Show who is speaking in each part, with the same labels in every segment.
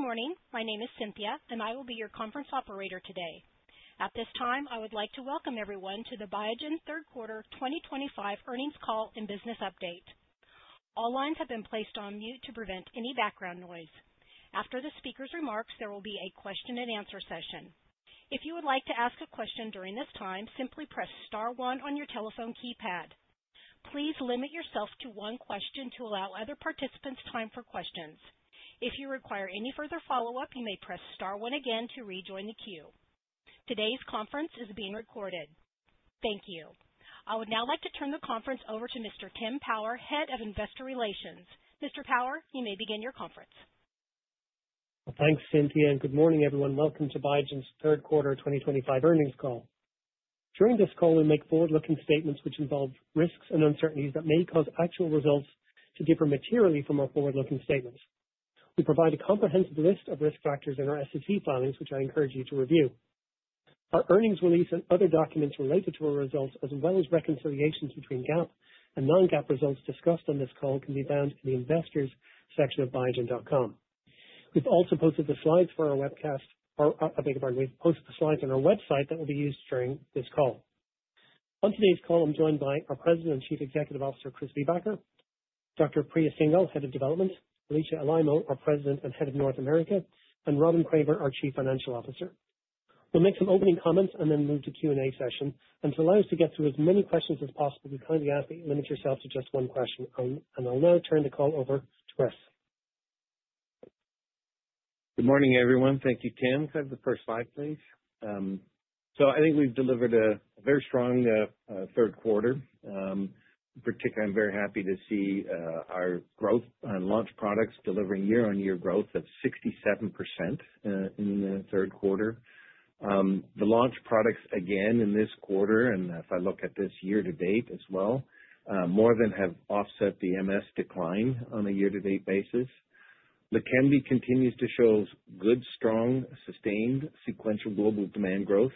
Speaker 1: Good morning. My name is Cynthia, and I will be your conference operator today. At this time, I would like to welcome everyone to the Biogen third quarter 2025 earnings call and business update. All lines have been placed on mute to prevent any background noise. After the speaker's remarks, there will be a question-and-answer session. If you would like to ask a question during this time, simply press star one on your telephone keypad. Please limit yourself to one question to allow other participants time for questions. If you require any further follow-up, you may press star one again to rejoin the queue. Today's conference is being recorded. Thank you. I would now like to turn the conference over to Mr. Tim Power, Head of Investor Relations. Mr. Power, you may begin your conference.
Speaker 2: Thanks, Cynthia, and good morning, everyone. Welcome to Biogen's third quarter 2025 earnings call. During this call, we make forward-looking statements which involve risks and uncertainties that may cause actual results to differ materially from our forward-looking statements. We provide a comprehensive list of risk factors in our SEC filings, which I encourage you to review. Our earnings release and other documents related to our results, as well as reconciliations between GAAP and non-GAAP results discussed on this call, can be found in the investors' section of biogen.com. We've also posted the slides for our webcast-or, I beg your pardon, we've posted the slides on our website that will be used during this call. On today's call, I'm joined by our President and Chief Executive Officer, Chris Viehbacher, Dr. Priya Singhal, Head of Development, Alisha Alaimo, our President and Head of North America, and Robin Kramer, our Chief Financial Officer. We'll make some opening comments and then move to Q&A session. To allow us to get through as many questions as possible, we kindly ask that you limit yourself to just one question. I'll now turn the call over to Chris.
Speaker 3: Good morning, everyone. Thank you, Tim. Can I have the first slide, please? So I think we've delivered a very strong third quarter. In particular, I'm very happy to see our growth and launch products delivering year-on-year growth of 67% in the third quarter. The launch products, again, in this quarter, and if I look at this year-to-date as well, more than have offset the MS decline on a year-to-date basis. Leqembi continues to show good, strong, sustained sequential global demand growth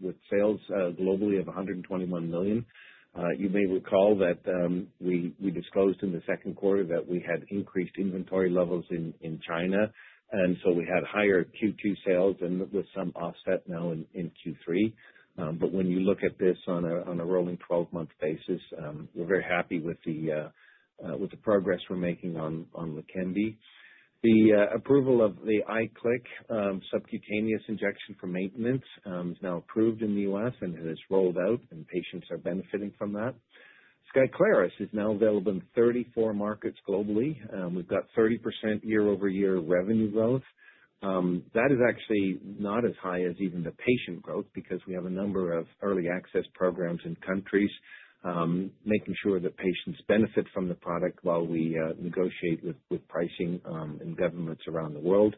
Speaker 3: with sales globally of $121 million. You may recall that we disclosed in the second quarter that we had increased inventory levels in China, and so we had higher Q2 sales and with some offset now in Q3. But when you look at this on a rolling 12-month basis, we're very happy with the progress we're making on Leqembi. The approval of the Leqembi subcutaneous injection for maintenance is now approved in the U.S., and it has rolled out, and patients are benefiting from that. Skyclarys is now available in 34 markets globally. We've got 30% year-over-year revenue growth. That is actually not as high as even the patient growth because we have a number of early access programs in countries making sure that patients benefit from the product while we negotiate with pricing and governments around the world,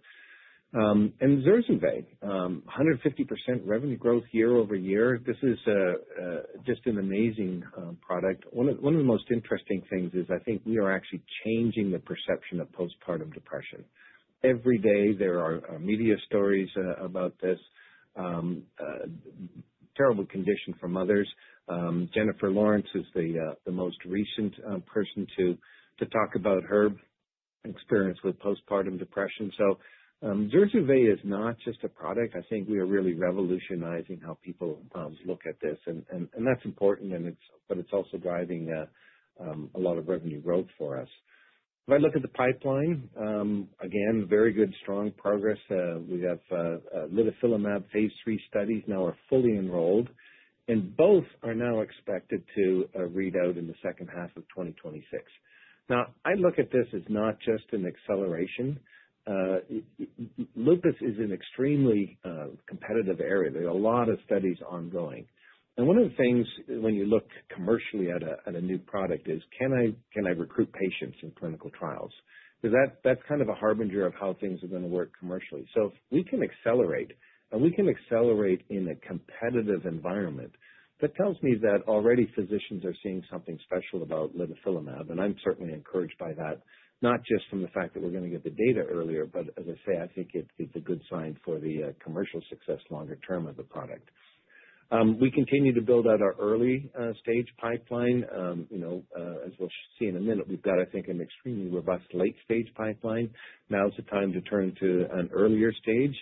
Speaker 3: and Zurzuvae, 150% revenue growth year-over-year. This is just an amazing product. One of the most interesting things is I think we are actually changing the perception of postpartum depression. Every day, there are media stories about this terrible condition for mothers. Jennifer Lawrence is the most recent person to talk about her experience with postpartum depression, so Zurzuvae is not just a product. I think we are really revolutionizing how people look at this, and that's important, but it's also driving a lot of revenue growth for us. If I look at the pipeline, again, very good, strong progress. We have litifilimab phase III studies now are fully enrolled, and both are now expected to read out in the second half of 2026. Now, I look at this as not just an acceleration. Lupus is an extremely competitive area. There are a lot of studies ongoing. And one of the things when you look commercially at a new product is, can I recruit patients in clinical trials? Because that's kind of a harbinger of how things are going to work commercially. So if we can accelerate, and we can accelerate in a competitive environment, that tells me that already physicians are seeing something special about litifilimab, and I'm certainly encouraged by that, not just from the fact that we're going to get the data earlier, but as I say, I think it's a good sign for the commercial success longer term of the product. We continue to build out our early-stage pipeline. As we'll see in a minute, we've got, I think, an extremely robust late-stage pipeline. Now is the time to turn to an earlier stage.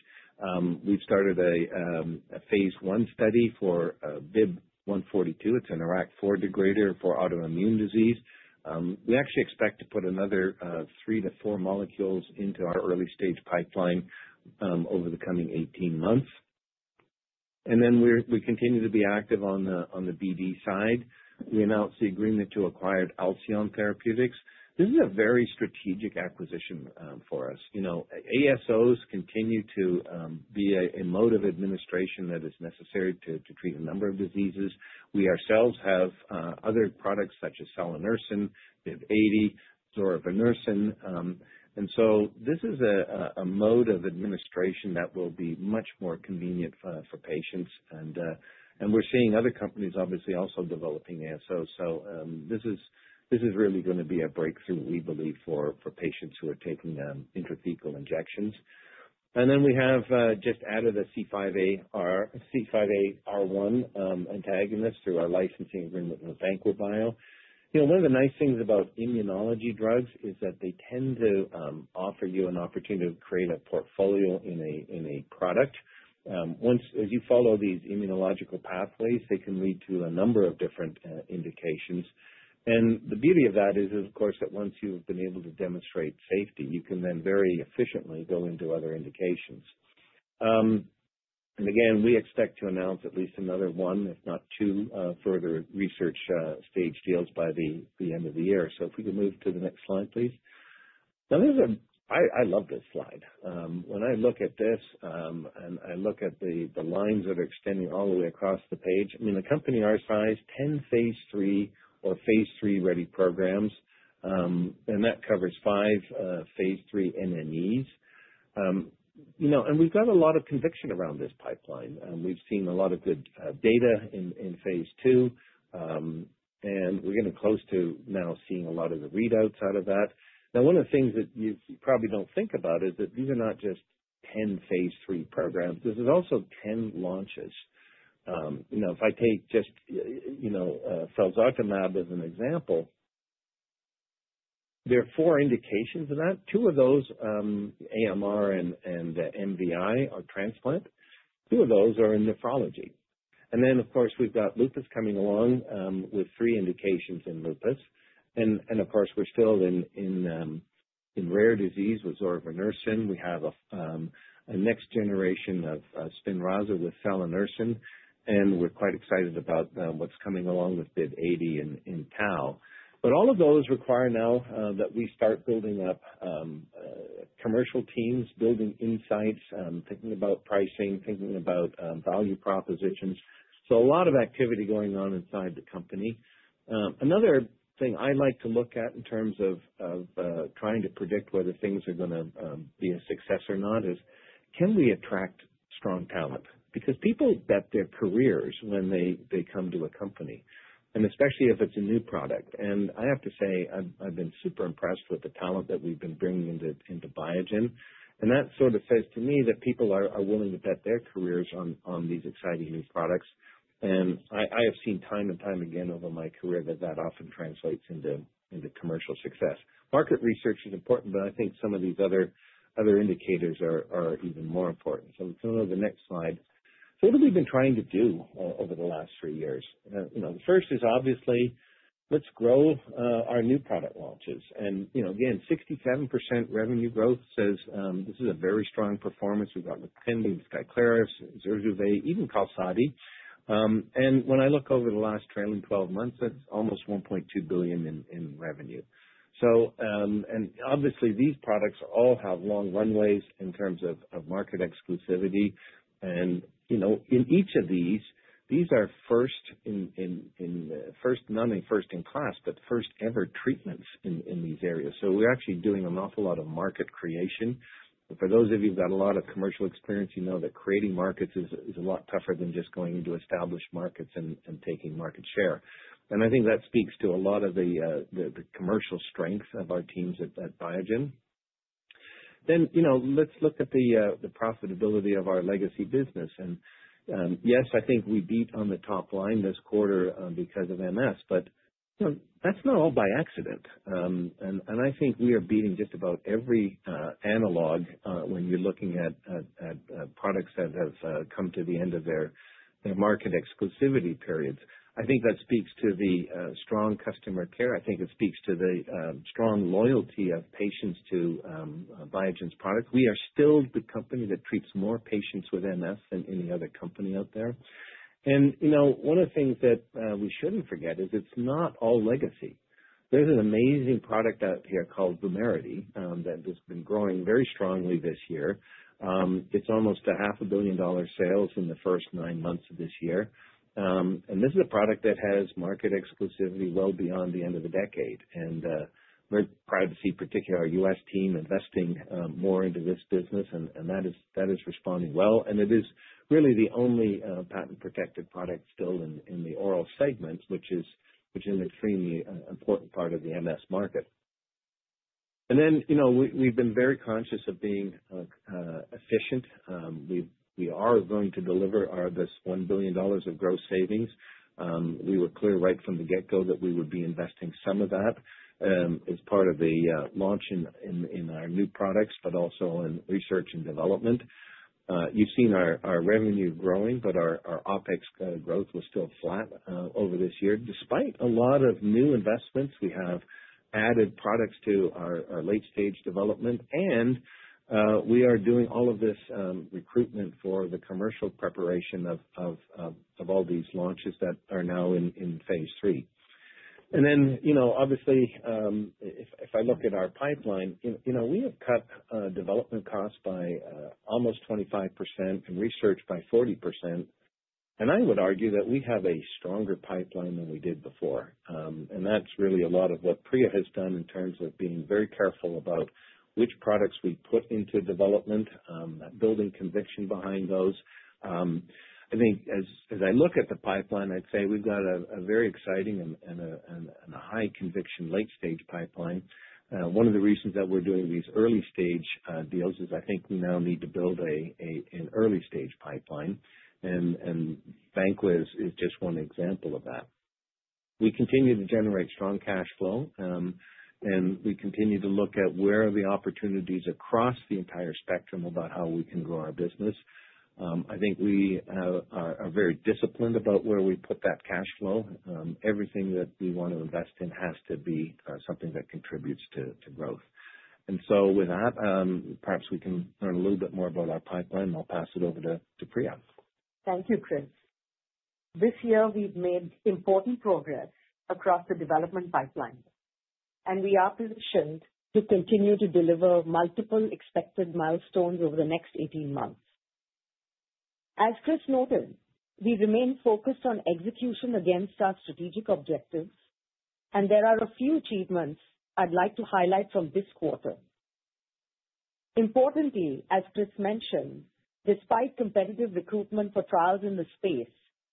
Speaker 3: We've started a phase I study for BIIB142. It's an IRAK4 degrader for autoimmune disease. We actually expect to put another three to four molecules into our early-stage pipeline over the coming 18 months. And then we continue to be active on the BD side. We announced the agreement to acquire Alcyone Therapeutics. This is a very strategic acquisition for us. ASOs continue to be a mode of administration that is necessary to treat a number of diseases. We ourselves have other products such as Nusinersen, BIIB080, tofersen. And so this is a mode of administration that will be much more convenient for patients. And we're seeing other companies obviously also developing ASOs. So this is really going to be a breakthrough, we believe, for patients who are taking intrathecal injections. And then we have just added a C5aR1 antagonist through our licensing agreement with Vanqua Bio. One of the nice things about immunology drugs is that they tend to offer you an opportunity to create a portfolio in a product. Once you follow these immunological pathways, they can lead to a number of different indications. And the beauty of that is, of course, that once you've been able to demonstrate safety, you can then very efficiently go into other indications. And again, we expect to announce at least another one, if not two, further research stage deals by the end of the year. So if we could move to the next slide, please. Now, I love this slide. When I look at this and I look at the lines that are extending all the way across the page, I mean, a company our size, 10 phase III or phase III-ready programs, and that covers five phase III mAbs. And we've got a lot of conviction around this pipeline. We've seen a lot of good data in phase II, and we're getting close to now seeing a lot of the readouts out of that. Now, one of the things that you probably don't think about is that these are not just 10 phase III programs. This is also 10 launches. If I take just Felzartamab as an example, there are four indications of that. Two of those, AMR and MVI, are transplant. Two of those are in nephrology. And then, of course, we've got lupus coming along with three indications in lupus. And of course, we're still in rare disease with Zorevunersen. We have a next generation of Spinraza with Salanursen, and we're quite excited about what's coming along with BIIB080 and tau. But all of those require now that we start building up commercial teams, building insights, thinking about pricing, thinking about value propositions. So a lot of activity going on inside the company. Another thing I like to look at in terms of trying to predict whether things are going to be a success or not is, can we attract strong talent? Because people bet their careers when they come to a company, and especially if it's a new product. And I have to say, I've been super impressed with the talent that we've been bringing into Biogen. And that sort of says to me that people are willing to bet their careers on these exciting new products. And I have seen time and time again over my career that that often translates into commercial success. Market research is important, but I think some of these other indicators are even more important. So if we can move to the next slide. So what have we been trying to do over the last three years? The first is obviously, let's grow our new product launches. And again, 67% revenue growth says this is a very strong performance. We've got Leqembi, Skyclarys, Zurzuvae, even Qalsody. And when I look over the last trailing 12 months, that's almost $1.2 billion in revenue. And obviously, these products all have long runways in terms of market exclusivity. And in each of these, these are first in not only first in class, but first-ever treatments in these areas. So we're actually doing an awful lot of market creation. For those of you who've got a lot of commercial experience, you know that creating markets is a lot tougher than just going into established markets and taking market share. And I think that speaks to a lot of the commercial strength of our teams at Biogen. Then let's look at the profitability of our legacy business. Yes, I think we beat on the top line this quarter because of MS, but that's not all by accident. I think we are beating just about every analog when you're looking at products that have come to the end of their market exclusivity periods. I think that speaks to the strong customer care. I think it speaks to the strong loyalty of patients to Biogen's products. We are still the company that treats more patients with MS than any other company out there. One of the things that we shouldn't forget is it's not all legacy. There's an amazing product out here called Vumerity that has been growing very strongly this year. It's almost $500 million in sales in the first nine months of this year. This is a product that has market exclusivity well beyond the end of the decade. We're proud to see particularly our U.S. team investing more into this business, and that is responding well. It is really the only patent-protected product still in the oral segment, which is an extremely important part of the MS market. We've been very conscious of being efficient. We are going to deliver this $1 billion of gross savings. We were clear right from the get-go that we would be investing some of that as part of the launch in our new products, but also in research and development. You've seen our revenue growing, but our OpEx growth was still flat over this year. Despite a lot of new investments, we have added products to our late-stage development, and we are doing all of this recruitment for the commercial preparation of all these launches that are now in phase III. And then obviously, if I look at our pipeline, we have cut development costs by almost 25% and research by 40%. And I would argue that we have a stronger pipeline than we did before. And that's really a lot of what Priya has done in terms of being very careful about which products we put into development, building conviction behind those. I think as I look at the pipeline, I'd say we've got a very exciting and a high-conviction late-stage pipeline. One of the reasons that we're doing these early-stage deals is I think we now need to build an early-stage pipeline, and Vanqua Bio is just one example of that. We continue to generate strong cash flow, and we continue to look at where are the opportunities across the entire spectrum about how we can grow our business. I think we are very disciplined about where we put that cash flow. Everything that we want to invest in has to be something that contributes to growth. And so with that, perhaps we can learn a little bit more about our pipeline, and I'll pass it over to Priya.
Speaker 4: Thank you, Chris. This year, we've made important progress across the development pipeline, and we are positioned to continue to deliver multiple expected milestones over the next 18 months. As Chris noted, we remain focused on execution against our strategic objectives, and there are a few achievements I'd like to highlight from this quarter. Importantly, as Chris mentioned, despite competitive recruitment for trials in the space,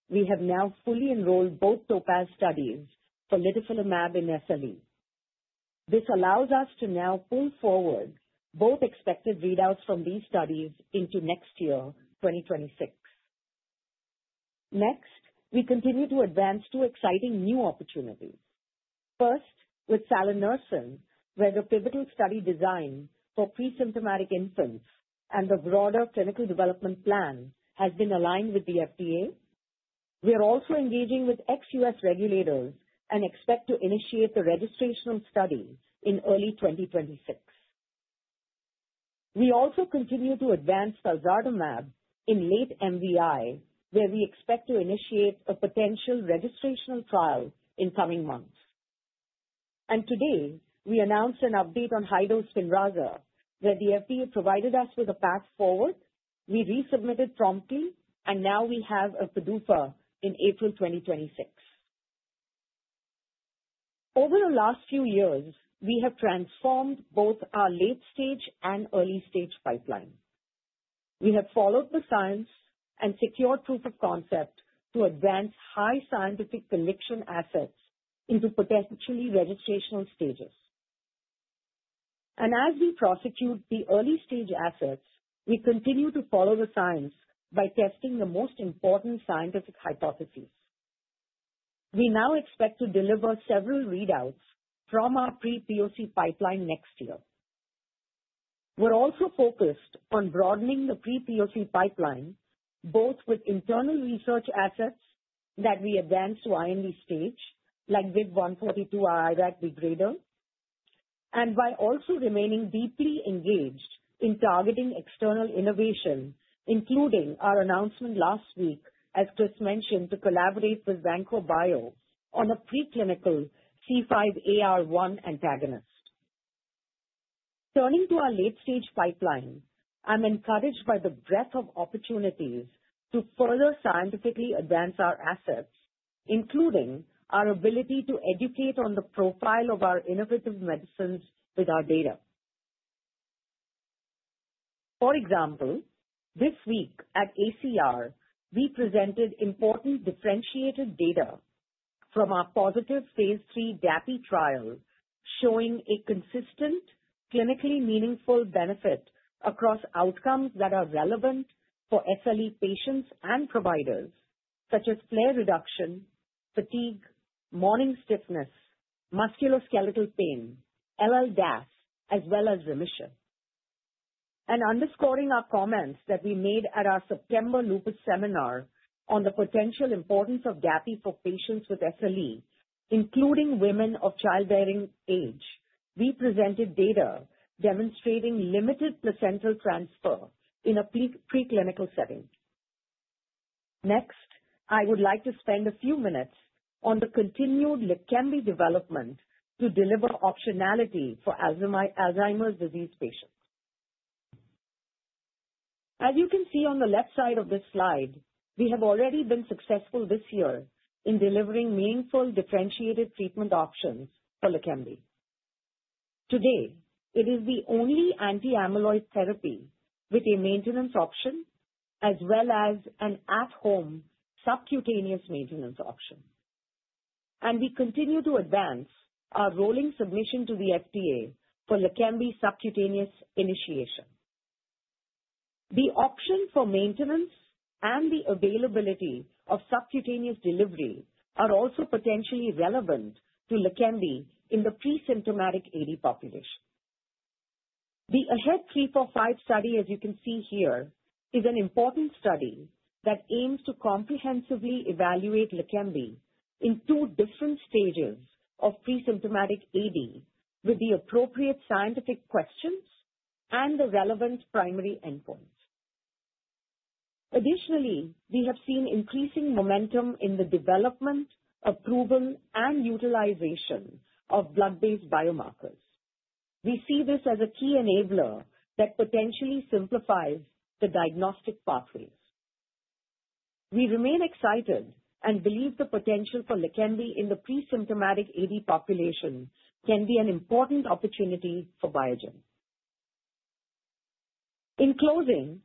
Speaker 4: we have now fully enrolled both TOPAZ studies for litifilimab in SLE. This allows us to now pull forward both expected readouts from these studies into next year, 2026. Next, we continue to advance two exciting new opportunities. First, with nusinersen, where the pivotal study design for pre-symptomatic infants and the broader clinical development plan has been aligned with the FDA. We are also engaging with ex-U.S. regulators and expect to initiate the registration study in early 2026. We also continue to advance Felzartamab in late MVI, where we expect to initiate a potential registration trial in coming months. Today, we announced an update on high-dose Spinraza, where the FDA provided us with a path forward. We resubmitted promptly, and now we have a PDUFA in April 2026. Over the last few years, we have transformed both our late-stage and early-stage pipeline. We have followed the science and secured proof of concept to advance high scientific conviction assets into potentially registrational stages. As we prosecute the early-stage assets, we continue to follow the science by testing the most important scientific hypotheses. We now expect to deliver several readouts from our pre-POC pipeline next year. We're also focused on broadening the pre-POC pipeline, both with internal research assets that we advance to IND stage, like BIIB142, our IRAK4 degrader, and by also remaining deeply engaged in targeting external innovation, including our announcement last week, as Chris mentioned, to collaborate with Vanqua Bio on a preclinical C5aR1 antagonist. Turning to our late-stage pipeline, I'm encouraged by the breadth of opportunities to further scientifically advance our assets, including our ability to educate on the profile of our innovative medicines with our data. For example, this week at ACR, we presented important differentiated data from our positive phase III Dapirolizumab trial, showing a consistent clinically meaningful benefit across outcomes that are relevant for SLE patients and providers, such as flare reduction, fatigue, morning stiffness, musculoskeletal pain, LLDAS, as well as remission. Underscoring our comments that we made at our September lupus seminar on the potential importance of Dapirolizumab for patients with SLE, including women of childbearing age, we presented data demonstrating limited placental transfer in a preclinical setting. Next, I would like to spend a few minutes on the continued Leqembi development to deliver optionality for Alzheimer's disease patients. As you can see on the left side of this slide, we have already been successful this year in delivering meaningful differentiated treatment options for Leqembi. Today, it is the only anti-amyloid therapy with a maintenance option, as well as an at-home subcutaneous maintenance option. We continue to advance our rolling submission to the FDA for Leqembi subcutaneous initiation. The option for maintenance and the availability of subcutaneous delivery are also potentially relevant to Leqembi in the pre-symptomatic APOE population. The AHEAD 3-45 study, as you can see here, is an important study that aims to comprehensively evaluate Leqembi in two different stages of pre-symptomatic AD with the appropriate scientific questions and the relevant primary endpoints. Additionally, we have seen increasing momentum in the development, approval, and utilization of blood-based biomarkers. We see this as a key enabler that potentially simplifies the diagnostic pathways. We remain excited and believe the potential for Leqembi in the pre-symptomatic AD population can be an important opportunity for Biogen. In closing,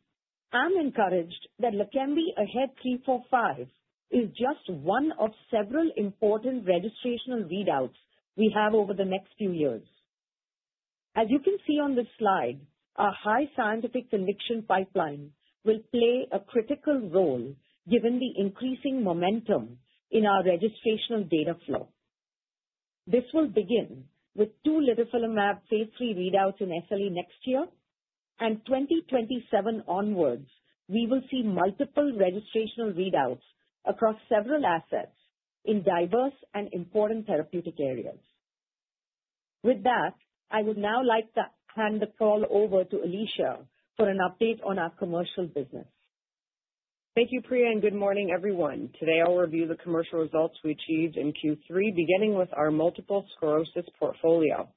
Speaker 4: I'm encouraged that Leqembi AHEAD 3-45 is just one of several important registrational readouts we have over the next few years. As you can see on this slide, our high scientific conviction pipeline will play a critical role given the increasing momentum in our registrational data flow. This will begin with two litifilimab phase III readouts in SLE next year, and 2027 onwards, we will see multiple registrational readouts across several assets in diverse and important therapeutic areas. With that, I would now like to hand the call over to Alisha for an update on our commercial business.
Speaker 5: Thank you, Priya, and good morning, everyone. Today, I'll review the commercial results we achieved in Q3, beginning with our multiple sclerosis portfolio.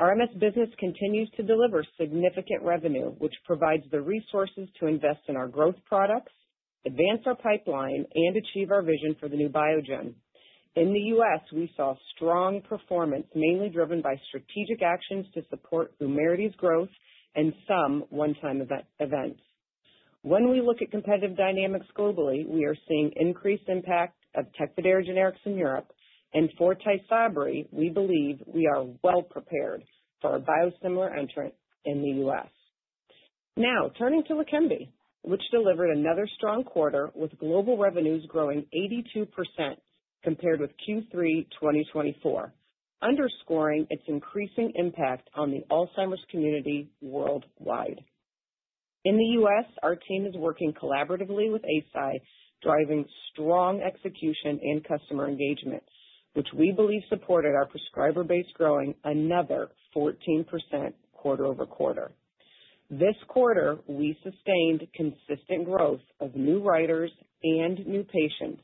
Speaker 5: Our MS business continues to deliver significant revenue, which provides the resources to invest in our growth products, advance our pipeline, and achieve our vision for the new Biogen. In the U.S., we saw strong performance, mainly driven by strategic actions to support Vumerity's growth and some one-time events. When we look at competitive dynamics globally, we are seeing increased impact of Tecfidera generics in Europe, and for Tysabri, we believe we are well prepared for our biosimilar entrant in the U.S. Now, turning to Leqembi, which delivered another strong quarter with global revenues growing 82% compared with Q3 2024, underscoring its increasing impact on the Alzheimer's community worldwide. In the U.S., our team is working collaboratively with Eisai, driving strong execution and customer engagement, which we believe supported our prescriber base growing another 14% quarter over quarter. This quarter, we sustained consistent growth of new writers and new patients,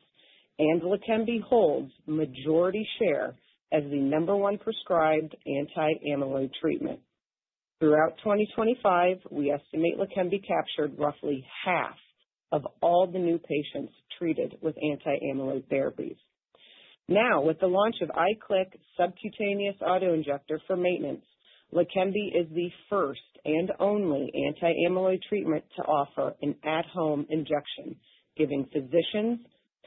Speaker 5: and Leqembi holds majority share as the number one prescribed anti-amyloid treatment. Throughout 2025, we estimate Leqembi captured roughly half of all the new patients treated with anti-amyloid therapies. Now, with the launch of IQLIK subcutaneous auto injector for maintenance, Leqembi is the first and only anti-amyloid treatment to offer an at-home injection, giving physicians,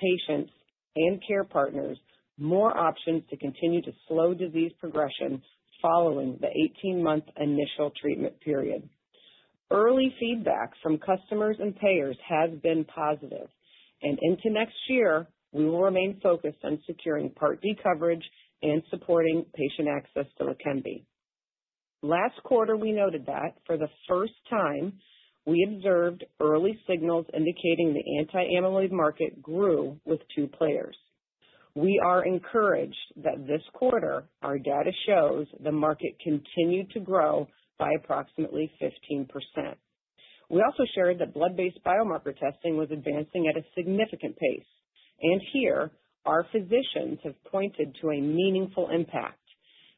Speaker 5: patients, and care partners more options to continue to slow disease progression following the 18-month initial treatment period. Early feedback from customers and payers has been positive, and into next year, we will remain focused on securing Part D coverage and supporting patient access to Leqembi. Last quarter, we noted that for the first time, we observed early signals indicating the anti-amyloid market grew with two players. We are encouraged that this quarter, our data shows, the market continued to grow by approximately 15%. We also shared that blood-based biomarker testing was advancing at a significant pace, and here, our physicians have pointed to a meaningful impact.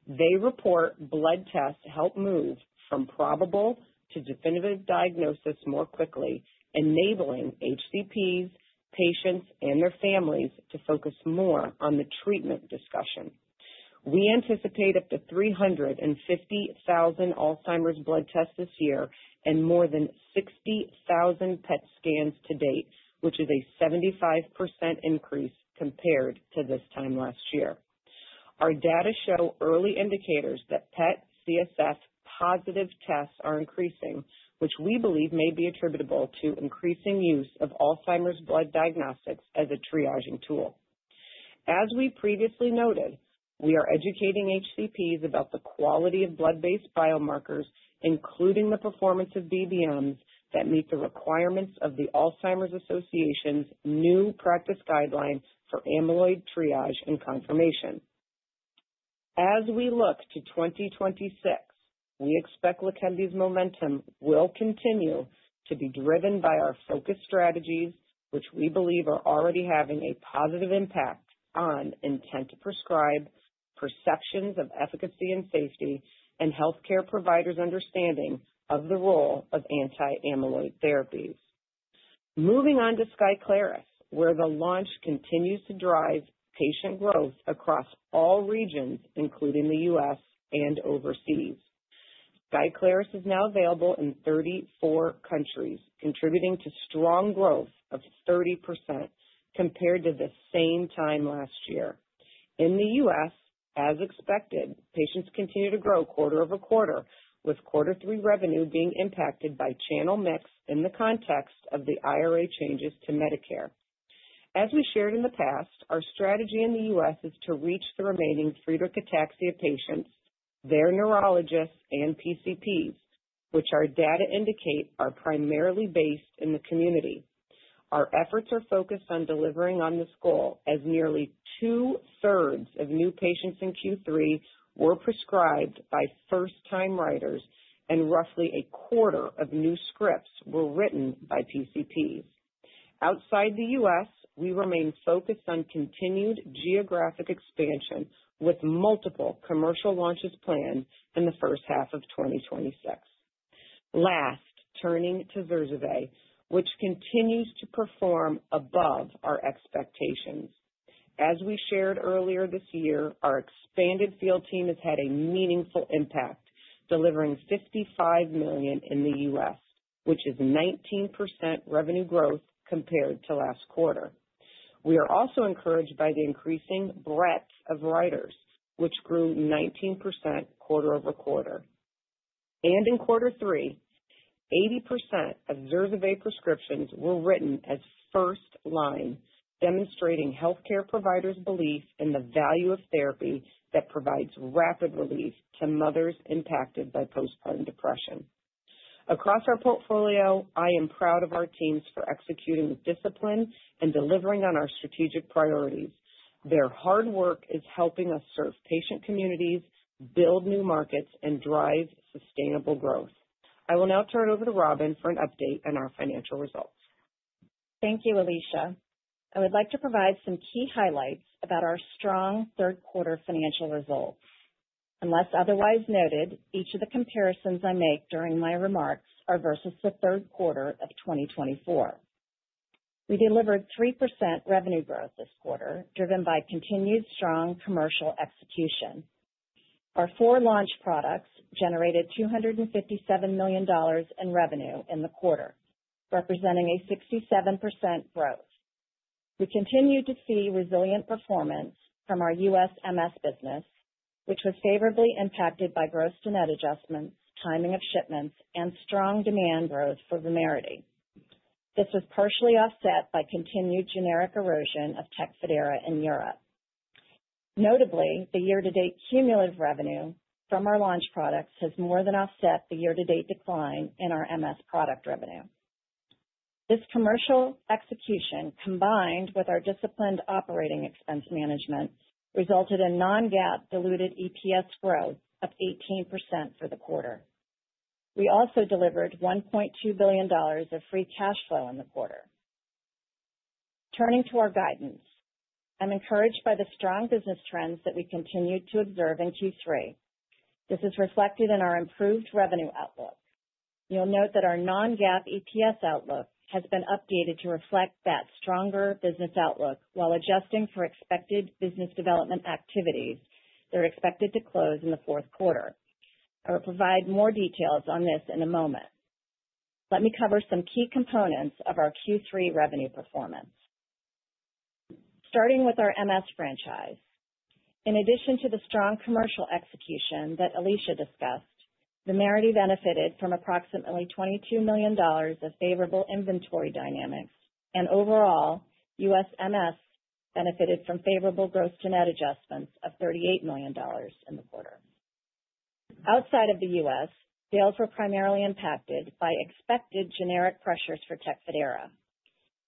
Speaker 5: They report blood tests help move from probable to definitive diagnosis more quickly, enabling HCPs, patients, and their families to focus more on the treatment discussion. We anticipate up to 350,000 Alzheimer's blood tests this year and more than 60,000 PET scans to date, which is a 75% increase compared to this time last year. Our data show early indicators that PET CSF positive tests are increasing, which we believe may be attributable to increasing use of Alzheimer's blood diagnostics as a triaging tool. As we previously noted, we are educating HCPs about the quality of blood-based biomarkers, including the performance of BBMs that meet the requirements of the Alzheimer's Association's new practice guidelines for amyloid triage and confirmation. As we look to 2026, we expect Leqembi's momentum will continue to be driven by our focused strategies, which we believe are already having a positive impact on intent to prescribe, perceptions of efficacy and safety, and healthcare providers' understanding of the role of anti-amyloid therapies. Moving on to Skyclarys, where the launch continues to drive patient growth across all regions, including the U.S. and overseas. Skyclarys is now available in 34 countries, contributing to strong growth of 30% compared to the same time last year. In the U.S., as expected, patients continue to grow quarter over quarter, with quarter three revenue being impacted by channel mix in the context of the IRA changes to Medicare. As we shared in the past, our strategy in the U.S. is to reach the remaining Friedreich's ataxia patients, their neurologists, and PCPs, which our data indicate are primarily based in the community. Our efforts are focused on delivering on this goal, as nearly two-thirds of new patients in Q3 were prescribed by first-time writers, and roughly a quarter of new scripts were written by PCPs. Outside the U.S., we remain focused on continued geographic expansion, with multiple commercial launches planned in the first half of 2026. Last, turning to Zurzuvae, which continues to perform above our expectations. As we shared earlier this year, our expanded field team has had a meaningful impact, delivering $55 million in the U.S., which is 19% revenue growth compared to last quarter. We are also encouraged by the increasing breadth of writers, which grew 19% quarter over quarter. In quarter three, 80% of Zurzuvae prescriptions were written as first-line, demonstrating healthcare providers' belief in the value of therapy that provides rapid relief to mothers impacted by postpartum depression. Across our portfolio, I am proud of our teams for executing with discipline and delivering on our strategic priorities. Their hard work is helping us serve patient communities, build new markets, and drive sustainable growth. I will now turn it over to Robin for an update on our financial results.
Speaker 6: Thank you, Alisha. I would like to provide some key highlights about our strong third-quarter financial results. Unless otherwise noted, each of the comparisons I make during my remarks are versus the third quarter of 2024. We delivered 3% revenue growth this quarter, driven by continued strong commercial execution. Our four launch products generated $257 million in revenue in the quarter, representing a 67% growth. We continued to see resilient performance from our U.S. MS business, which was favorably impacted by gross-to-net adjustments, timing of shipments, and strong demand growth for Vumerity. This was partially offset by continued generic erosion of Tecfidera in Europe. Notably, the year-to-date cumulative revenue from our launch products has more than offset the year-to-date decline in our MS product revenue. This commercial execution, combined with our disciplined operating expense management, resulted in non-GAAP diluted EPS growth of 18% for the quarter. We also delivered $1.2 billion of free cash flow in the quarter. Turning to our guidance, I'm encouraged by the strong business trends that we continued to observe in Q3. This is reflected in our improved revenue outlook. You'll note that our non-GAAP EPS outlook has been updated to reflect that stronger business outlook while adjusting for expected business development activities that are expected to close in the fourth quarter. I will provide more details on this in a moment. Let me cover some key components of our Q3 revenue performance. Starting with our MS franchise, in addition to the strong commercial execution that Alisha discussed, Vumerity benefited from approximately $22 million of favorable inventory dynamics, and overall, U.S. MS benefited from favorable gross-to-net adjustments of $38 million in the quarter. Outside of the U.S., sales were primarily impacted by expected generic pressures for Tecfidera.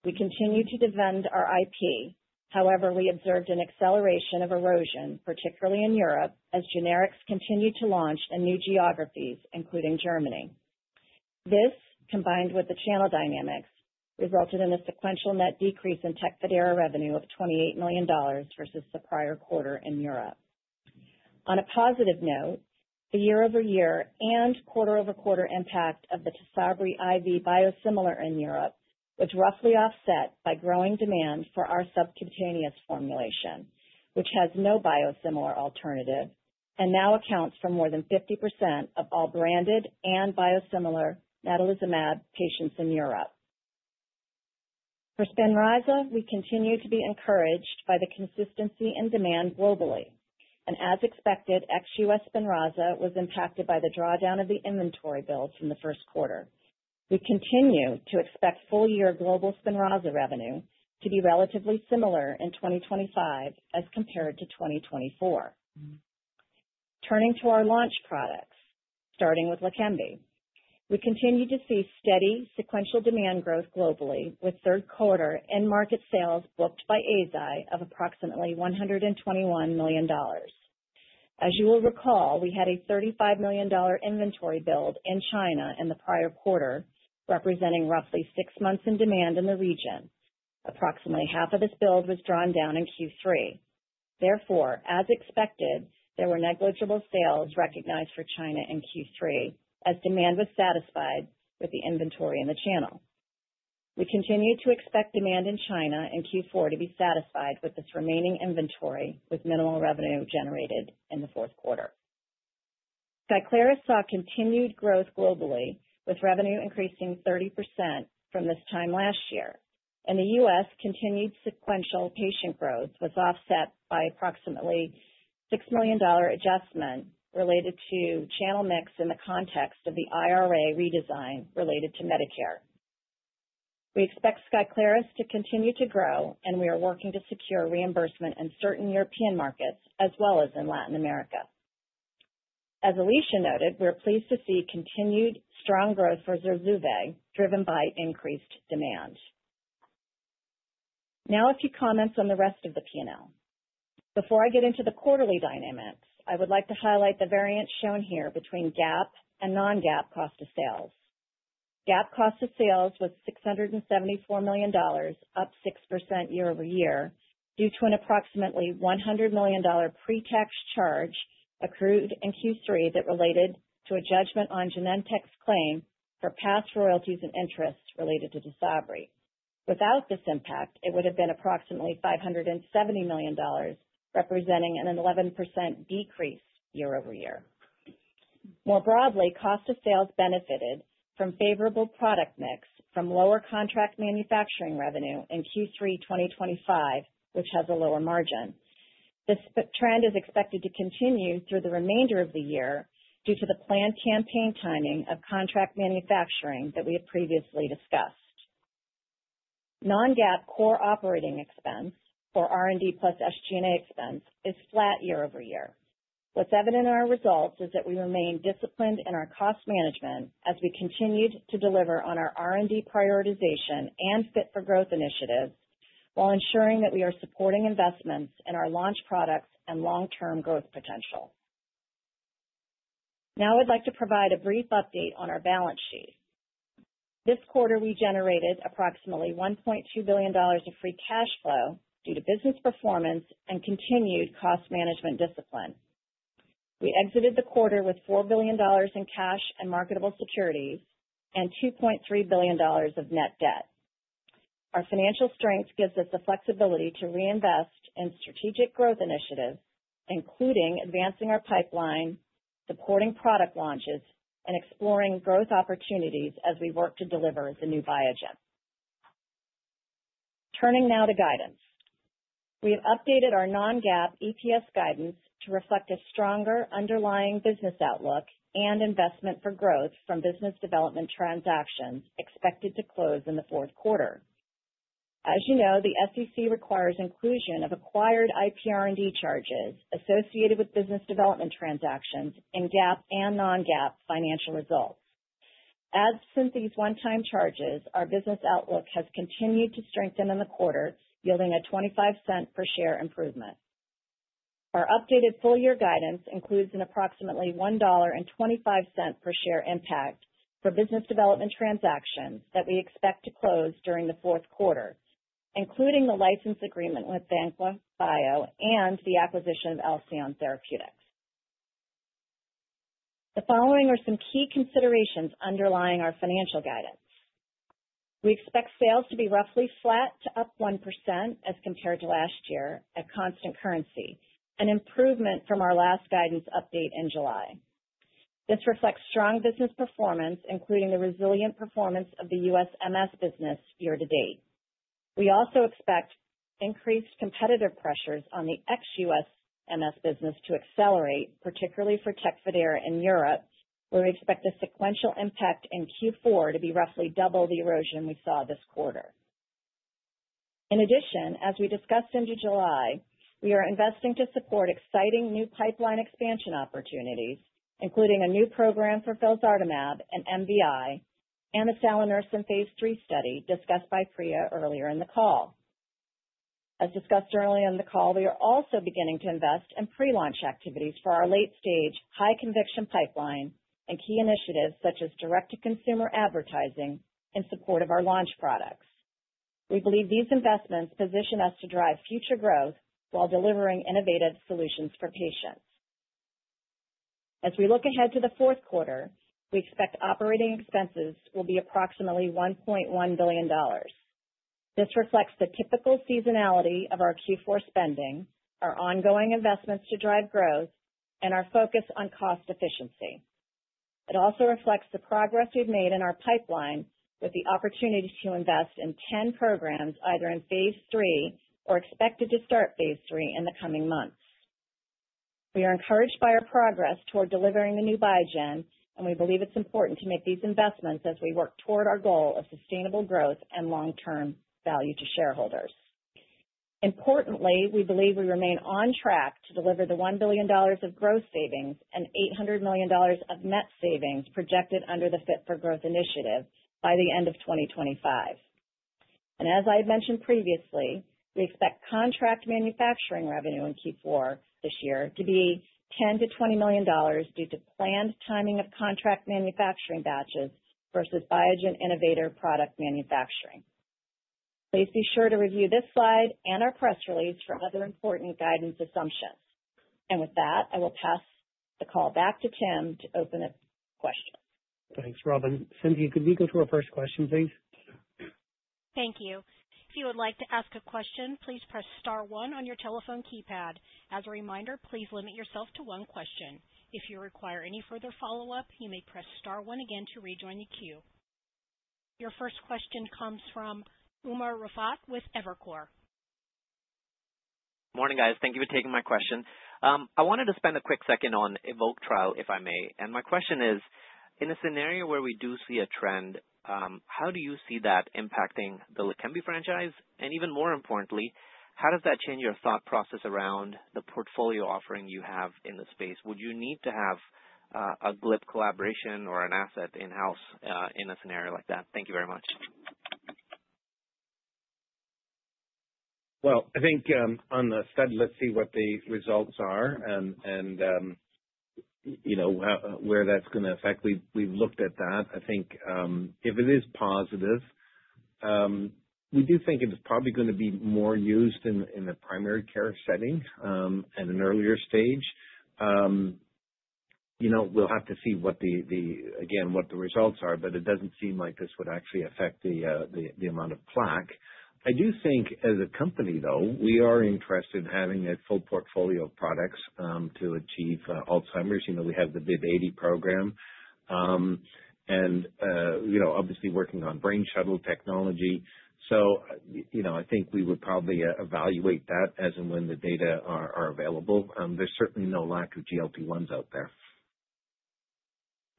Speaker 6: We continue to defend our IP. However, we observed an acceleration of erosion, particularly in Europe, as generics continued to launch in new geographies, including Germany. This, combined with the channel dynamics, resulted in a sequential net decrease in Tecfidera revenue of $28 million versus the prior quarter in Europe. On a positive note, the year-over-year and quarter-over-quarter impact of the Tysabri IV biosimilar in Europe was roughly offset by growing demand for our subcutaneous formulation, which has no biosimilar alternative and now accounts for more than 50% of all branded and biosimilar natalizumab patients in Europe. For Spinraza, we continue to be encouraged by the consistency in demand globally, and as expected, XUS Spinraza was impacted by the drawdown of the inventory builds in the first quarter. We continue to expect full-year global Spinraza revenue to be relatively similar in 2025 as compared to 2024. Turning to our launch products, starting with Leqembi, we continue to see steady sequential demand growth globally, with third quarter end market sales booked by Eisai of approximately $121 million. As you will recall, we had a $35 million inventory build in China in the prior quarter, representing roughly six months in demand in the region. Approximately half of this build was drawn down in Q3. Therefore, as expected, there were negligible sales recognized for China in Q3, as demand was satisfied with the inventory in the channel. We continue to expect demand in China in Q4 to be satisfied with this remaining inventory, with minimal revenue generated in the fourth quarter. Skyclarys saw continued growth globally, with revenue increasing 30% from this time last year. In the U.S., continued sequential patient growth was offset by approximately $6 million adjustment related to channel mix in the context of the IRA redesign related to Medicare. We expect Skyclarys to continue to grow, and we are working to secure reimbursement in certain European markets as well as in Latin America. As Alisha noted, we're pleased to see continued strong growth for Zurzuvae, driven by increased demand. Now, a few comments on the rest of the P&L. Before I get into the quarterly dynamics, I would like to highlight the variance shown here between GAAP and non-GAAP cost of sales. GAAP cost of sales was $674 million, up 6% year-over-year, due to an approximately $100 million pre-tax charge accrued in Q3 that related to a judgment on Genentech's claim for past royalties and interest related to Tysabri. Without this impact, it would have been approximately $570 million, representing an 11% decrease year-over-year. More broadly, cost of sales benefited from favorable product mix from lower contract manufacturing revenue in Q3 2025, which has a lower margin. This trend is expected to continue through the remainder of the year due to the planned campaign timing of contract manufacturing that we have previously discussed. Non-GAAP core operating expense, or R&D plus SG&A expense, is flat year-over-year. What's evident in our results is that we remain disciplined in our cost management as we continued to deliver on our R&D prioritization and fit-for-growth initiatives while ensuring that we are supporting investments in our launch products and long-term growth potential. Now, I'd like to provide a brief update on our balance sheet. This quarter, we generated approximately $1.2 billion of free cash flow due to business performance and continued cost management discipline. We exited the quarter with $4 billion in cash and marketable securities and $2.3 billion of net debt. Our financial strength gives us the flexibility to reinvest in strategic growth initiatives, including advancing our pipeline, supporting product launches, and exploring growth opportunities as we work to deliver the new Biogen. Turning now to guidance, we have updated our non-GAAP EPS guidance to reflect a stronger underlying business outlook and investment for growth from business development transactions expected to close in the fourth quarter. As you know, the SEC requires inclusion of acquired IPR&D charges associated with business development transactions in GAAP and non-GAAP financial results. And since these one-time charges, our business outlook has continued to strengthen in the quarter, yielding a $0.25 per share improvement. Our updated full-year guidance includes an approximately $1.25 per share impact for business development transactions that we expect to close during the fourth quarter, including the license agreement with Vanqua Bio and the acquisition of Alcyone Therapeutics. The following are some key considerations underlying our financial guidance. We expect sales to be roughly flat to up 1% as compared to last year at constant currency, an improvement from our last guidance update in July. This reflects strong business performance, including the resilient performance of the US MS business year-to-date. We also expect increased competitive pressures on the XUS MS business to accelerate, particularly for Tecfidera in Europe, where we expect the sequential impact in Q4 to be roughly double the erosion we saw this quarter. In addition, as we discussed into July, we are investing to support exciting new pipeline expansion opportunities, including a new program for Felzartamab and MVI and the Felzartamab phase III study discussed by Priya earlier in the call. As discussed earlier in the call, we are also beginning to invest in pre-launch activities for our late-stage high-conviction pipeline and key initiatives such as direct-to-consumer advertising in support of our launch products. We believe these investments position us to drive future growth while delivering innovative solutions for patients. As we look ahead to the fourth quarter, we expect operating expenses will be approximately $1.1 billion. This reflects the typical seasonality of our Q4 spending, our ongoing investments to drive growth, and our focus on cost efficiency. It also reflects the progress we've made in our pipeline with the opportunity to invest in 10 programs, either in phase III or expected to start phase III in the coming months. We are encouraged by our progress toward delivering the new Biogen, and we believe it's important to make these investments as we work toward our goal of sustainable growth and long-term value to shareholders. Importantly, we believe we remain on track to deliver the $1 billion of growth savings and $800 million of net savings projected under the fit-for-growth initiative by the end of 2025, and as I had mentioned previously, we expect contract manufacturing revenue in Q4 this year to be $10-$20 million due to planned timing of contract manufacturing batches versus Biogen innovator product manufacturing. Please be sure to review this slide and our press release for other important guidance assumptions. With that, I will pass the call back to Tim to open up questions.
Speaker 2: Thanks, Robin. Cynthia, could we go to our first question, please?
Speaker 1: Thank you. If you would like to ask a question, please press star one on your telephone keypad. As a reminder, please limit yourself to one question. If you require any further follow-up, you may press star one again to rejoin the queue. Your first question comes from Umer Raffat with Evercore.
Speaker 7: Morning, guys. Thank you for taking my question. I wanted to spend a quick second on a tau trial, if I may. And my question is, in a scenario where we do see a trend, how do you see that impacting the Leqembi franchise? And even more importantly, how does that change your thought process around the portfolio offering you have in the space? Would you need to have a Lilly collaboration or an asset in-house in a scenario like that? Thank you very much.
Speaker 3: I think on the study, let's see what the results are and where that's going to affect. We've looked at that. I think if it is positive, we do think it's probably going to be more used in the primary care setting at an earlier stage. We'll have to see, again, what the results are, but it doesn't seem like this would actually affect the amount of plaque. I do think, as a company, though, we are interested in having a full portfolio of products to achieve Alzheimer's. We have the BIIB080 program and obviously working on brain shuttle technology. So I think we would probably evaluate that as and when the data are available. There's certainly no lack of GLP-1s out there.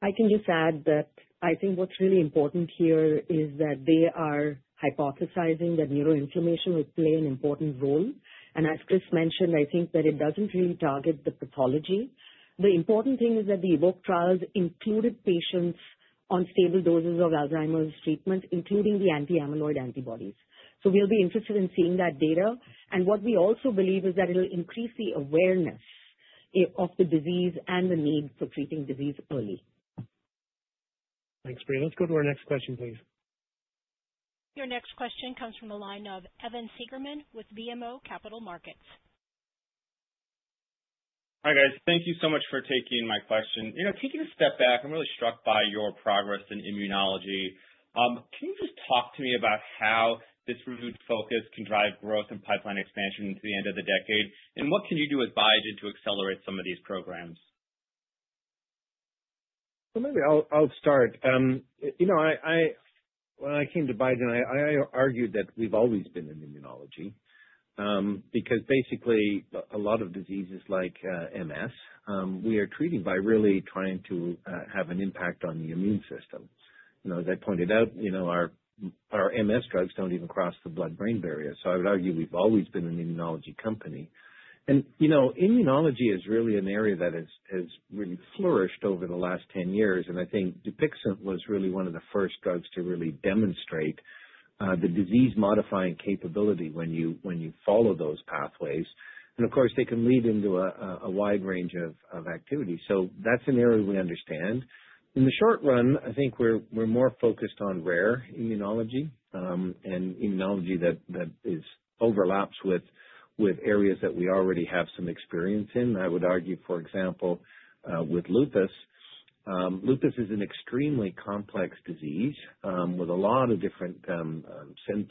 Speaker 4: I can just add that I think what's really important here is that they are hypothesizing that neuroinflammation would play an important role, and as Chris mentioned, I think that it doesn't really target the pathology. The important thing is that the EVOKE trials included patients on stable doses of Alzheimer's treatment, including the anti-amyloid antibodies, so we'll be interested in seeing that data, and what we also believe is that it'll increase the awareness of the disease and the need for treating disease early.
Speaker 2: Thanks, Priya. Let's go to our next question, please.
Speaker 1: Your next question comes from the line of Evan Seigerman with BMO Capital Markets.
Speaker 8: Hi, guys. Thank you so much for taking my question. Taking a step back, I'm really struck by your progress in immunology. Can you just talk to me about how this renewed focus can drive growth and pipeline expansion into the end of the decade? And what can you do with Biogen to accelerate some of these programs?
Speaker 3: Maybe I'll start. When I came to Biogen, I argued that we've always been in immunology because basically a lot of diseases like MS, we are treating by really trying to have an impact on the immune system. As I pointed out, our MS drugs don't even cross the blood-brain barrier. So I would argue we've always been an immunology company. Immunology is really an area that has really flourished over the last 10 years. I think Dupixent was really one of the first drugs to really demonstrate the disease-modifying capability when you follow those pathways. Of course, they can lead into a wide range of activity. That's an area we understand. In the short run, I think we're more focused on rare immunology and immunology that overlaps with areas that we already have some experience in. I would argue, for example, with lupus. Lupus is an extremely complex disease with a lot of different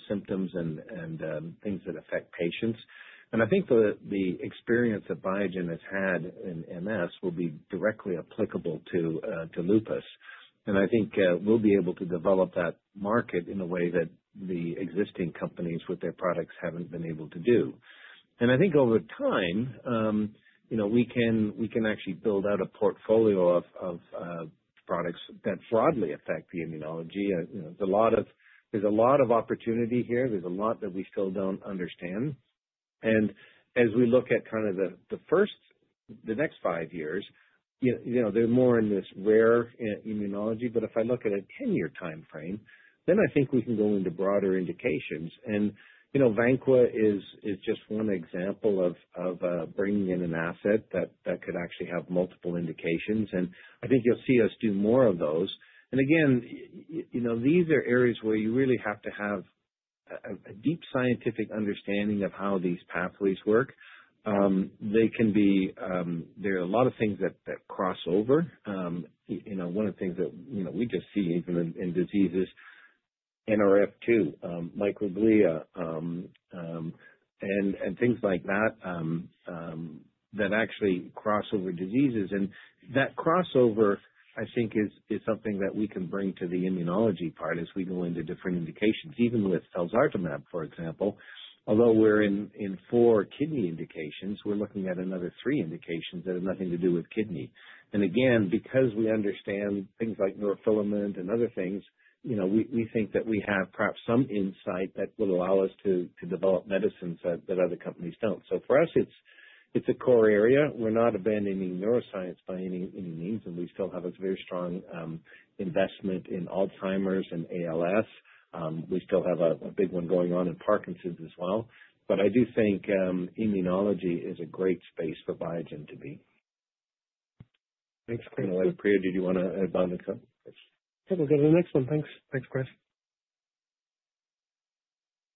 Speaker 3: symptoms and things that affect patients, and I think the experience that Biogen has had in MS will be directly applicable to lupus, and I think we'll be able to develop that market in a way that the existing companies with their products haven't been able to do. I think over time, we can actually build out a portfolio of products that broadly affect the immunology. There's a lot of opportunity here. There's a lot that we still don't understand, and as we look at kind of the next five years, they're more in this rare immunology, but if I look at a 10-year timeframe, then I think we can go into broader indications, and Vanqua is just one example of bringing in an asset that could actually have multiple indications. I think you'll see us do more of those. Again, these are areas where you really have to have a deep scientific understanding of how these pathways work. There are a lot of things that cross over. One of the things that we just see even in disease is NRF2, microglia, and things like that that actually cross over diseases. That crossover, I think, is something that we can bring to the immunology part as we go into different indications. Even with Felzartamab, for example, although we're in four kidney indications, we're looking at another three indications that have nothing to do with kidney. Again, because we understand things like neurofilament and other things, we think that we have perhaps some insight that will allow us to develop medicines that other companies don't. So for us, it's a core area. We're not abandoning neuroscience by any means. And we still have a very strong investment in Alzheimer's and ALS. We still have a big one going on in Parkinson's as well. But I do think immunology is a great space for Biogen to be. Thanks, Priya. Did you want to add, Bonnie?
Speaker 8: We'll go to the next one. Thanks, Chris.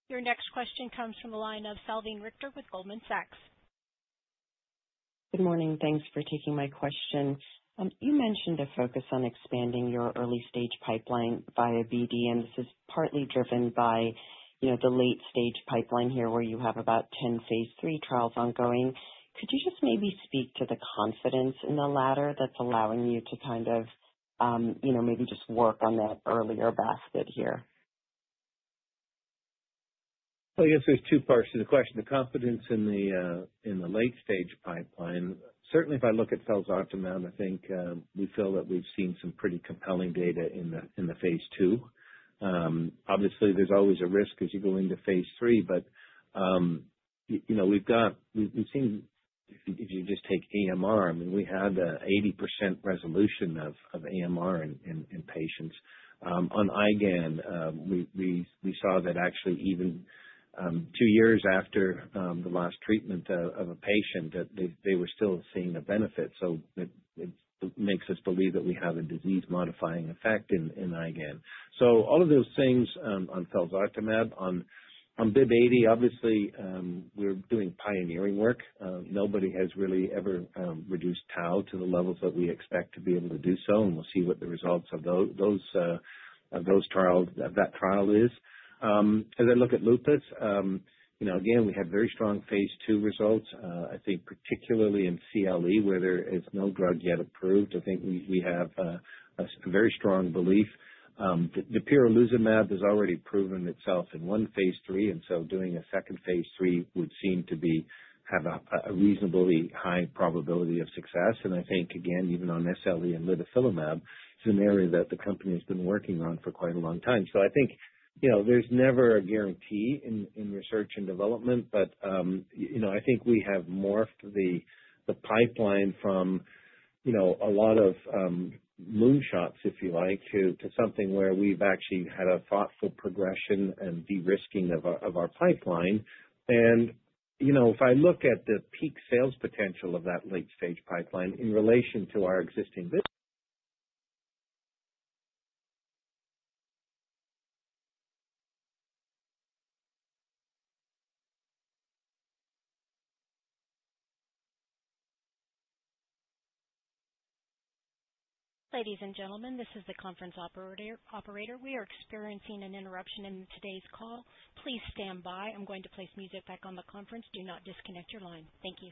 Speaker 1: Your next question comes from the line of Salveen Richter with Goldman Sachs.
Speaker 9: Good morning. Thanks for taking my question. You mentioned a focus on expanding your early-stage pipeline via BD, and this is partly driven by the late-stage pipeline here where you have about 10 phase III trials ongoing. Could you just maybe speak to the confidence in the latter that's allowing you to kind of maybe just work on that earlier basket here?
Speaker 3: I guess there's two parts to the question. The confidence in the late-stage pipeline. Certainly, if I look at Felzartamab, I think we feel that we've seen some pretty compelling data in the phase II. Obviously, there's always a risk as you go into phase III, but we've seen, if you just take AMR, I mean, we had an 80% resolution of AMR in patients. On IgAN, we saw that actually even two years after the last treatment of a patient, they were still seeing a benefit. It makes us believe that we have a disease-modifying effect in IgAN. All of those things on Felzartamab. On BIIB080, obviously, we're doing pioneering work. Nobody has really ever reduced tau to the levels that we expect to be able to do so. We'll see what the results of that trial is. As I look at lupus, again, we had very strong phase II results. I think particularly in CLE, where there is no drug yet approved, I think we have a very strong belief. Dupixent has already proven itself in one phase III. And so doing a second phase III would seem to have a reasonably high probability of success. And I think, again, even on SLE and litifilimab, it's an area that the company has been working on for quite a long time. So I think there's never a guarantee in research and development, but I think we have morphed the pipeline from a lot of moonshots, if you like, to something where we've actually had a thoughtful progression and de-risking of our pipeline. And if I look at the peak sales potential of that late-stage pipeline in relation to our existing
Speaker 1: Ladies and gentlemen, this is the conference operator. We are experiencing an interruption in today's call. Please stand by. I'm going to place music back on the conference. Do not disconnect your line. Thank you.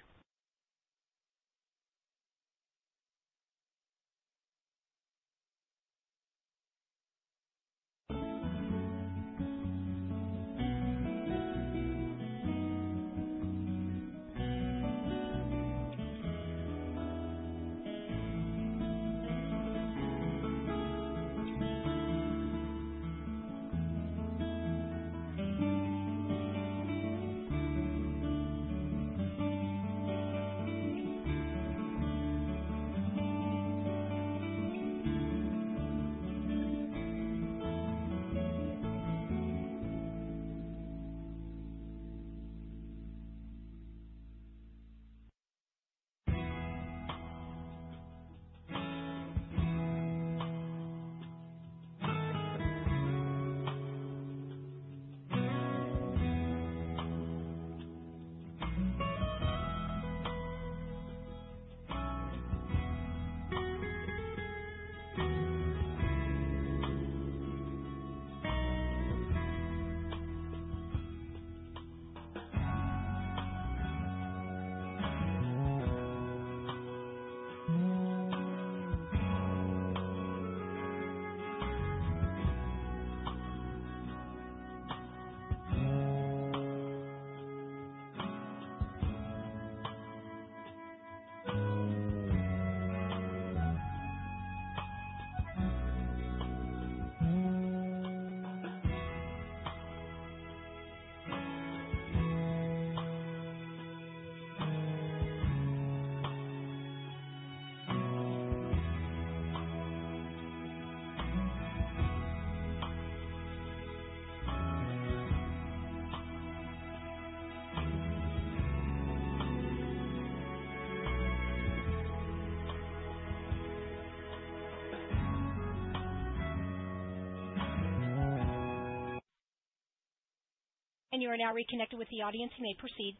Speaker 1: You are now reconnected with the audience. You may proceed.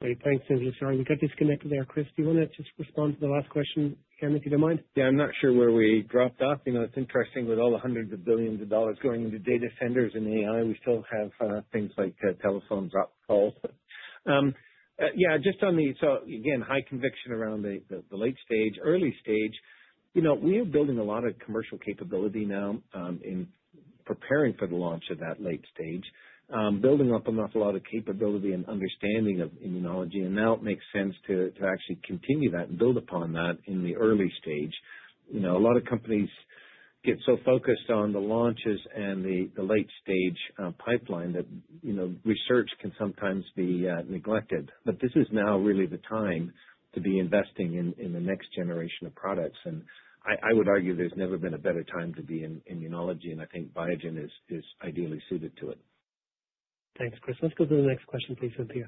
Speaker 2: Great. Thanks, Cynthia. Sorry, we got disconnected there. Chris, do you want to just respond to the last question again, if you don't mind?
Speaker 3: Yeah. I'm not sure where we dropped off. It's interesting with all the hundreds of billions of dollars going into data centers and AI, we still have things like telephones, op calls. Yeah. Just on the, so again, high conviction around the late-stage, early-stage. We are building a lot of commercial capability now in preparing for the launch of that late-stage, building up an awful lot of capability and understanding of immunology. And now it makes sense to actually continue that and build upon that in the early-stage. A lot of companies get so focused on the launches and the late-stage pipeline that research can sometimes be neglected. But this is now really the time to be investing in the next generation of products. And I would argue there's never been a better time to be in immunology. And I think Biogen is ideally suited to it.
Speaker 2: Thanks, Chris. Let's go to the next question, please, Cynthia.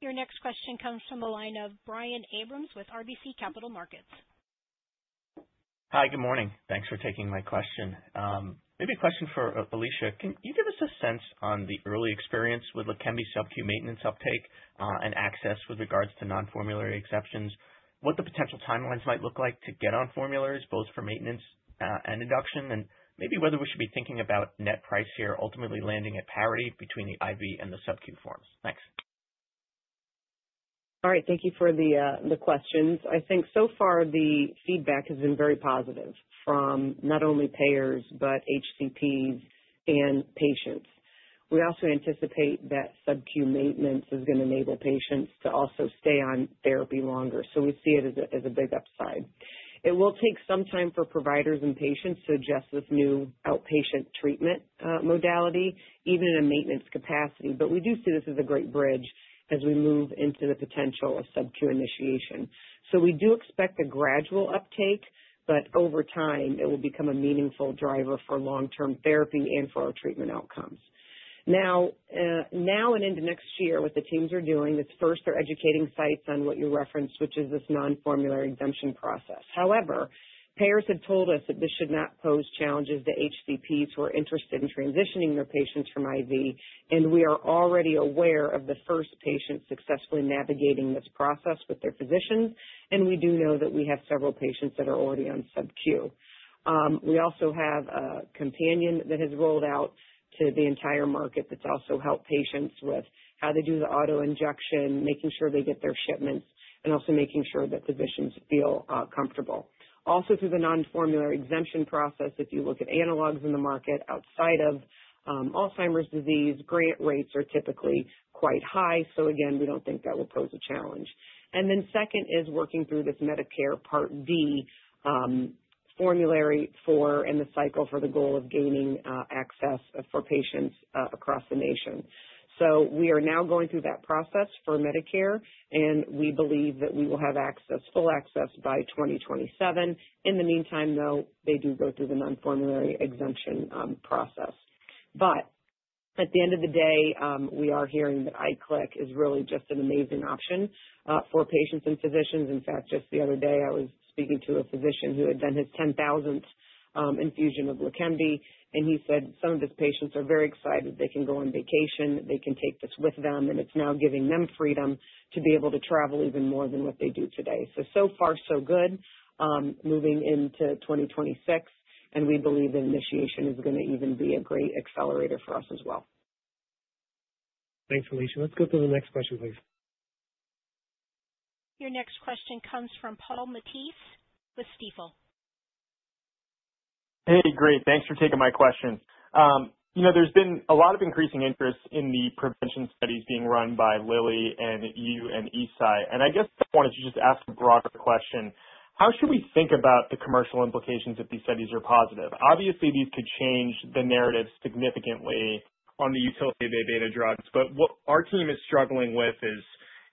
Speaker 1: Your next question comes from the line of Brian Abrahams with RBC Capital Markets.
Speaker 10: Hi, good morning. Thanks for taking my question. Maybe a question for Alisha. Can you give us a sense on the early experience with Leqembi SubQ maintenance uptake and access with regards to non-formulary exceptions, what the potential timelines might look like to get on formulary, both for maintenance and induction, and maybe whether we should be thinking about net price here, ultimately landing at parity between the IV and the SubQ forms? Thanks.
Speaker 5: All right. Thank you for the questions. I think so far the feedback has been very positive from not only payers but HCPs and patients. We also anticipate that SubQ maintenance is going to enable patients to also stay on therapy longer. So we see it as a big upside. It will take some time for providers and patients to adjust this new outpatient treatment modality, even in a maintenance capacity. But we do see this as a great bridge as we move into the potential of SubQ initiation. So we do expect a gradual uptake, but over time, it will become a meaningful driver for long-term therapy and for our treatment outcomes. Now and into next year, what the teams are doing is first, they're educating sites on what you referenced, which is this non-formulary exemption process. However, payers have told us that this should not pose challenges to HCPs who are interested in transitioning their patients from IV, and we are already aware of the first patient successfully navigating this process with their physicians, and we do know that we have several patients that are already on SubQ. We also have a companion that has rolled out to the entire market that's also helped patients with how they do the auto injection, making sure they get their shipments, and also making sure that physicians feel comfortable. Also, through the non-formulary exemption process, if you look at analogs in the market outside of Alzheimer's disease, grant rates are typically quite high. So again, we don't think that will pose a challenge, and then second is working through this Medicare Part D formulary and the cycle for the goal of gaining access for patients across the nation. So we are now going through that process for Medicare. And we believe that we will have full access by 2027. In the meantime, though, they do go through the non-formulary exemption process. But at the end of the day, we are hearing that subQ Leqembi is really just an amazing option for patients and physicians. In fact, just the other day, I was speaking to a physician who had done his 10,000th infusion of Leqembi. And he said some of his patients are very excited. They can go on vacation. They can take this with them. And it's now giving them freedom to be able to travel even more than what they do today. So far, so good moving into 2026. And we believe that initiation is going to even be a great accelerator for us as well.
Speaker 2: Thanks, Alisha. Let's go to the next question, please.
Speaker 1: Your next question comes from Paul Matteis with Stifel.
Speaker 11: Hey, great. Thanks for taking my question. There's been a lot of increasing interest in the prevention studies being run by Lilly and you and Eisai. And I guess I wanted to just ask a broader question. How should we think about the commercial implications if these studies are positive? Obviously, these could change the narrative significantly on the utility of the beta drugs. But what our team is struggling with is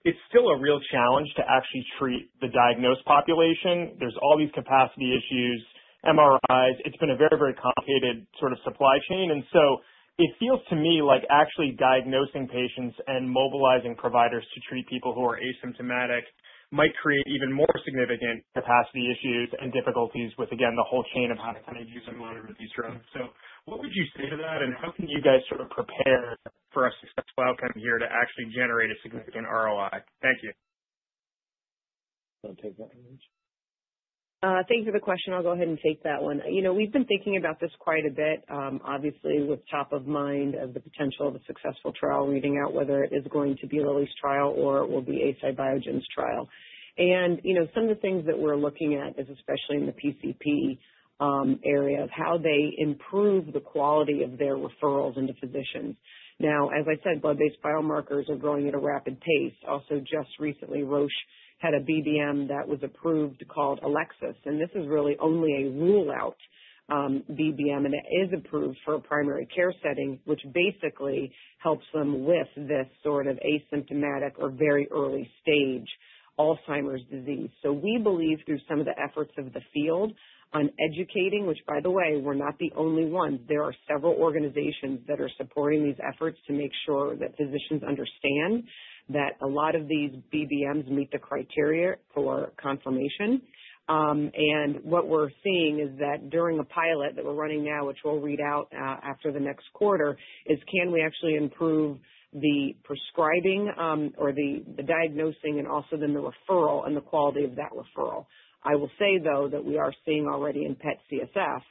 Speaker 11: it's still a real challenge to actually treat the diagnosed population. There's all these capacity issues, MRIs. It's been a very, very complicated sort of supply chain. And so it feels to me like actually diagnosing patients and mobilizing providers to treat people who are asymptomatic might create even more significant capacity issues and difficulties with, again, the whole chain of how to kind of use and monitor these drugs. So what would you say to that? How can you guys sort of prepare for a successful outcome here to actually generate a significant ROI? Thank you.
Speaker 3: I'll take that one.
Speaker 5: Thank you for the question. I'll go ahead and take that one. We've been thinking about this quite a bit, obviously, with top of mind of the potential of a successful trial, weeding out whether it is going to be Lilly's trial or it will be Eisai Biogen's trial. Some of the things that we're looking at is especially in the PCP area of how they improve the quality of their referrals into physicians. Now, as I said, blood-based biomarkers are growing at a rapid pace. Also, just recently, Roche had a BBM that was approved called Elecsys. And this is really only a rule-out BBM. And it is approved for a primary care setting, which basically helps them with this sort of asymptomatic or very early-stage Alzheimer's disease. So we believe, through some of the efforts of the field on educating, which, by the way, we're not the only ones. There are several organizations that are supporting these efforts to make sure that physicians understand that a lot of these BBMs meet the criteria for confirmation. And what we're seeing is that during a pilot that we're running now, which we'll read out after the next quarter, is can we actually improve the prescribing or the diagnosing and also then the referral and the quality of that referral. I will say, though, that we are seeing already in PET/CSF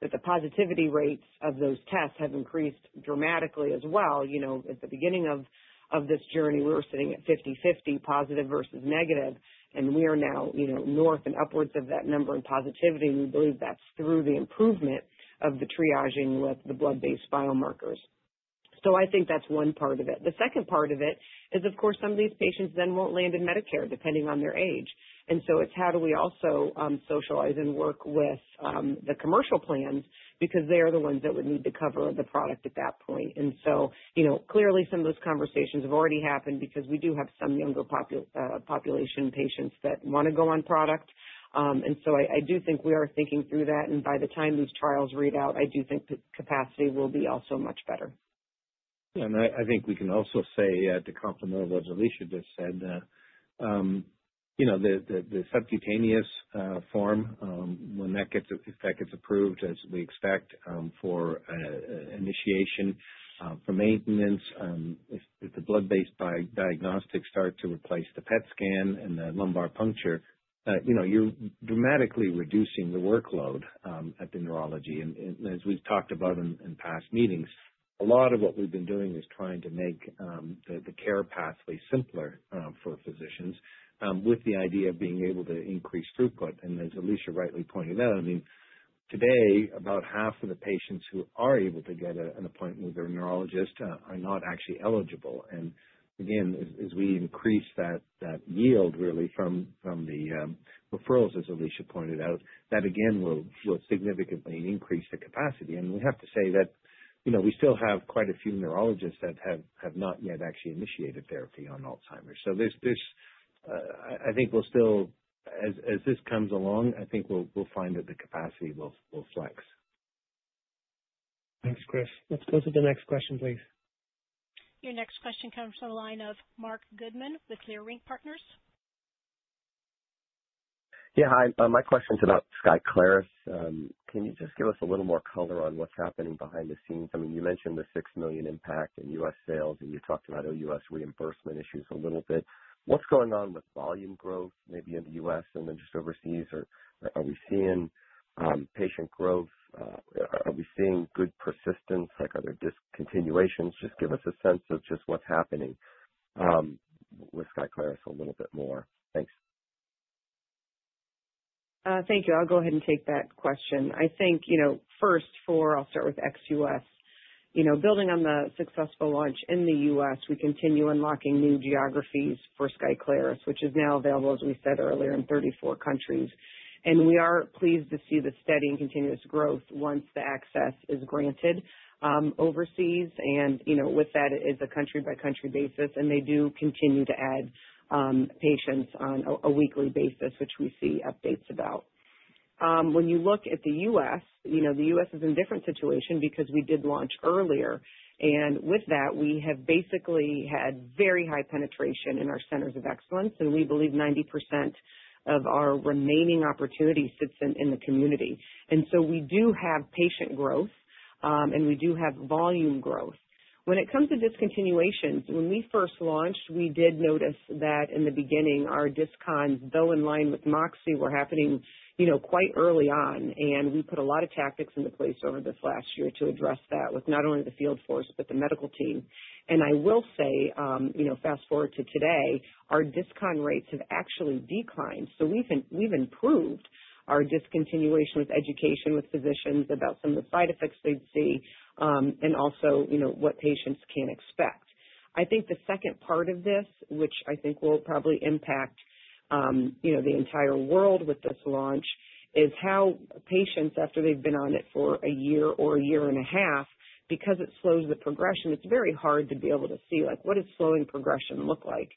Speaker 5: that the positivity rates of those tests have increased dramatically as well. At the beginning of this journey, we were sitting at 50/50, positive versus negative. And we are now north and upwards of that number in positivity. We believe that's through the improvement of the triaging with the blood-based biomarkers. I think that's one part of it. The second part of it is, of course, some of these patients then won't land in Medicare depending on their age. It's how we also socialize and work with the commercial plans because they are the ones that would need to cover the product at that point. Clearly, some of those conversations have already happened because we do have some younger population patients that want to go on product. I do think we are thinking through that. By the time these trials read out, I do think capacity will be also much better.
Speaker 3: Yeah. And I think we can also say to complement what Alisha just said, the subcutaneous form, when that gets approved, as we expect for initiation for maintenance, if the blood-based diagnostics start to replace the PET scan and the lumbar puncture, you're dramatically reducing the workload at the neurology. And as we've talked about in past meetings, a lot of what we've been doing is trying to make the care pathway simpler for physicians with the idea of being able to increase throughput. And as Alisha rightly pointed out, I mean, today, about half of the patients who are able to get an appointment with their neurologist are not actually eligible. And again, as we increase that yield, really, from the referrals, as Alisha pointed out, that again will significantly increase the capacity. We have to say that we still have quite a few neurologists that have not yet actually initiated therapy on Alzheimer's. I think we'll still, as this comes along, I think we'll find that the capacity will flex.
Speaker 2: Thanks, Chris. Let's go to the next question, please.
Speaker 1: Your next question comes from the line of Marc Goodman with Leerink Partners.
Speaker 12: Yeah. Hi. My question's about Skyclarys. Can you just give us a little more color on what's happening behind the scenes? I mean, you mentioned the $6 million impact in U.S. sales, and you talked about OUS reimbursement issues a little bit. What's going on with volume growth, maybe in the U.S. and then just overseas? Are we seeing patient growth? Are we seeing good persistence? Are there discontinuations? Just give us a sense of just what's happening with Skyclarys a little bit more. Thanks.
Speaker 5: Thank you. I'll go ahead and take that question. I think first, I'll start with XUS. Building on the successful launch in the US, we continue unlocking new geographies for Skyclarys, which is now available, as we said earlier, in 34 countries, and we are pleased to see the steady and continuous growth once the access is granted overseas, and with that, it is a country-by-country basis, and they do continue to add patients on a weekly basis, which we see updates about. When you look at the US, the US is in a different situation because we did launch earlier, and with that, we have basically had very high penetration in our centers of excellence, and we believe 90% of our remaining opportunity sits in the community, and so we do have patient growth, and we do have volume growth. When it comes to discontinuations, when we first launched, we did notice that in the beginning, our discounts, though in line with MOXIe, were happening quite early on. And we put a lot of tactics into place over this last year to address that with not only the field force but the medical team. And I will say, fast forward to today, our discount rates have actually declined. So we've improved our discontinuation with education with physicians about some of the side effects they'd see and also what patients can expect. I think the second part of this, which I think will probably impact the entire world with this launch, is how patients, after they've been on it for a year or a year and a half, because it slows the progression, it's very hard to be able to see what does slowing progression look like.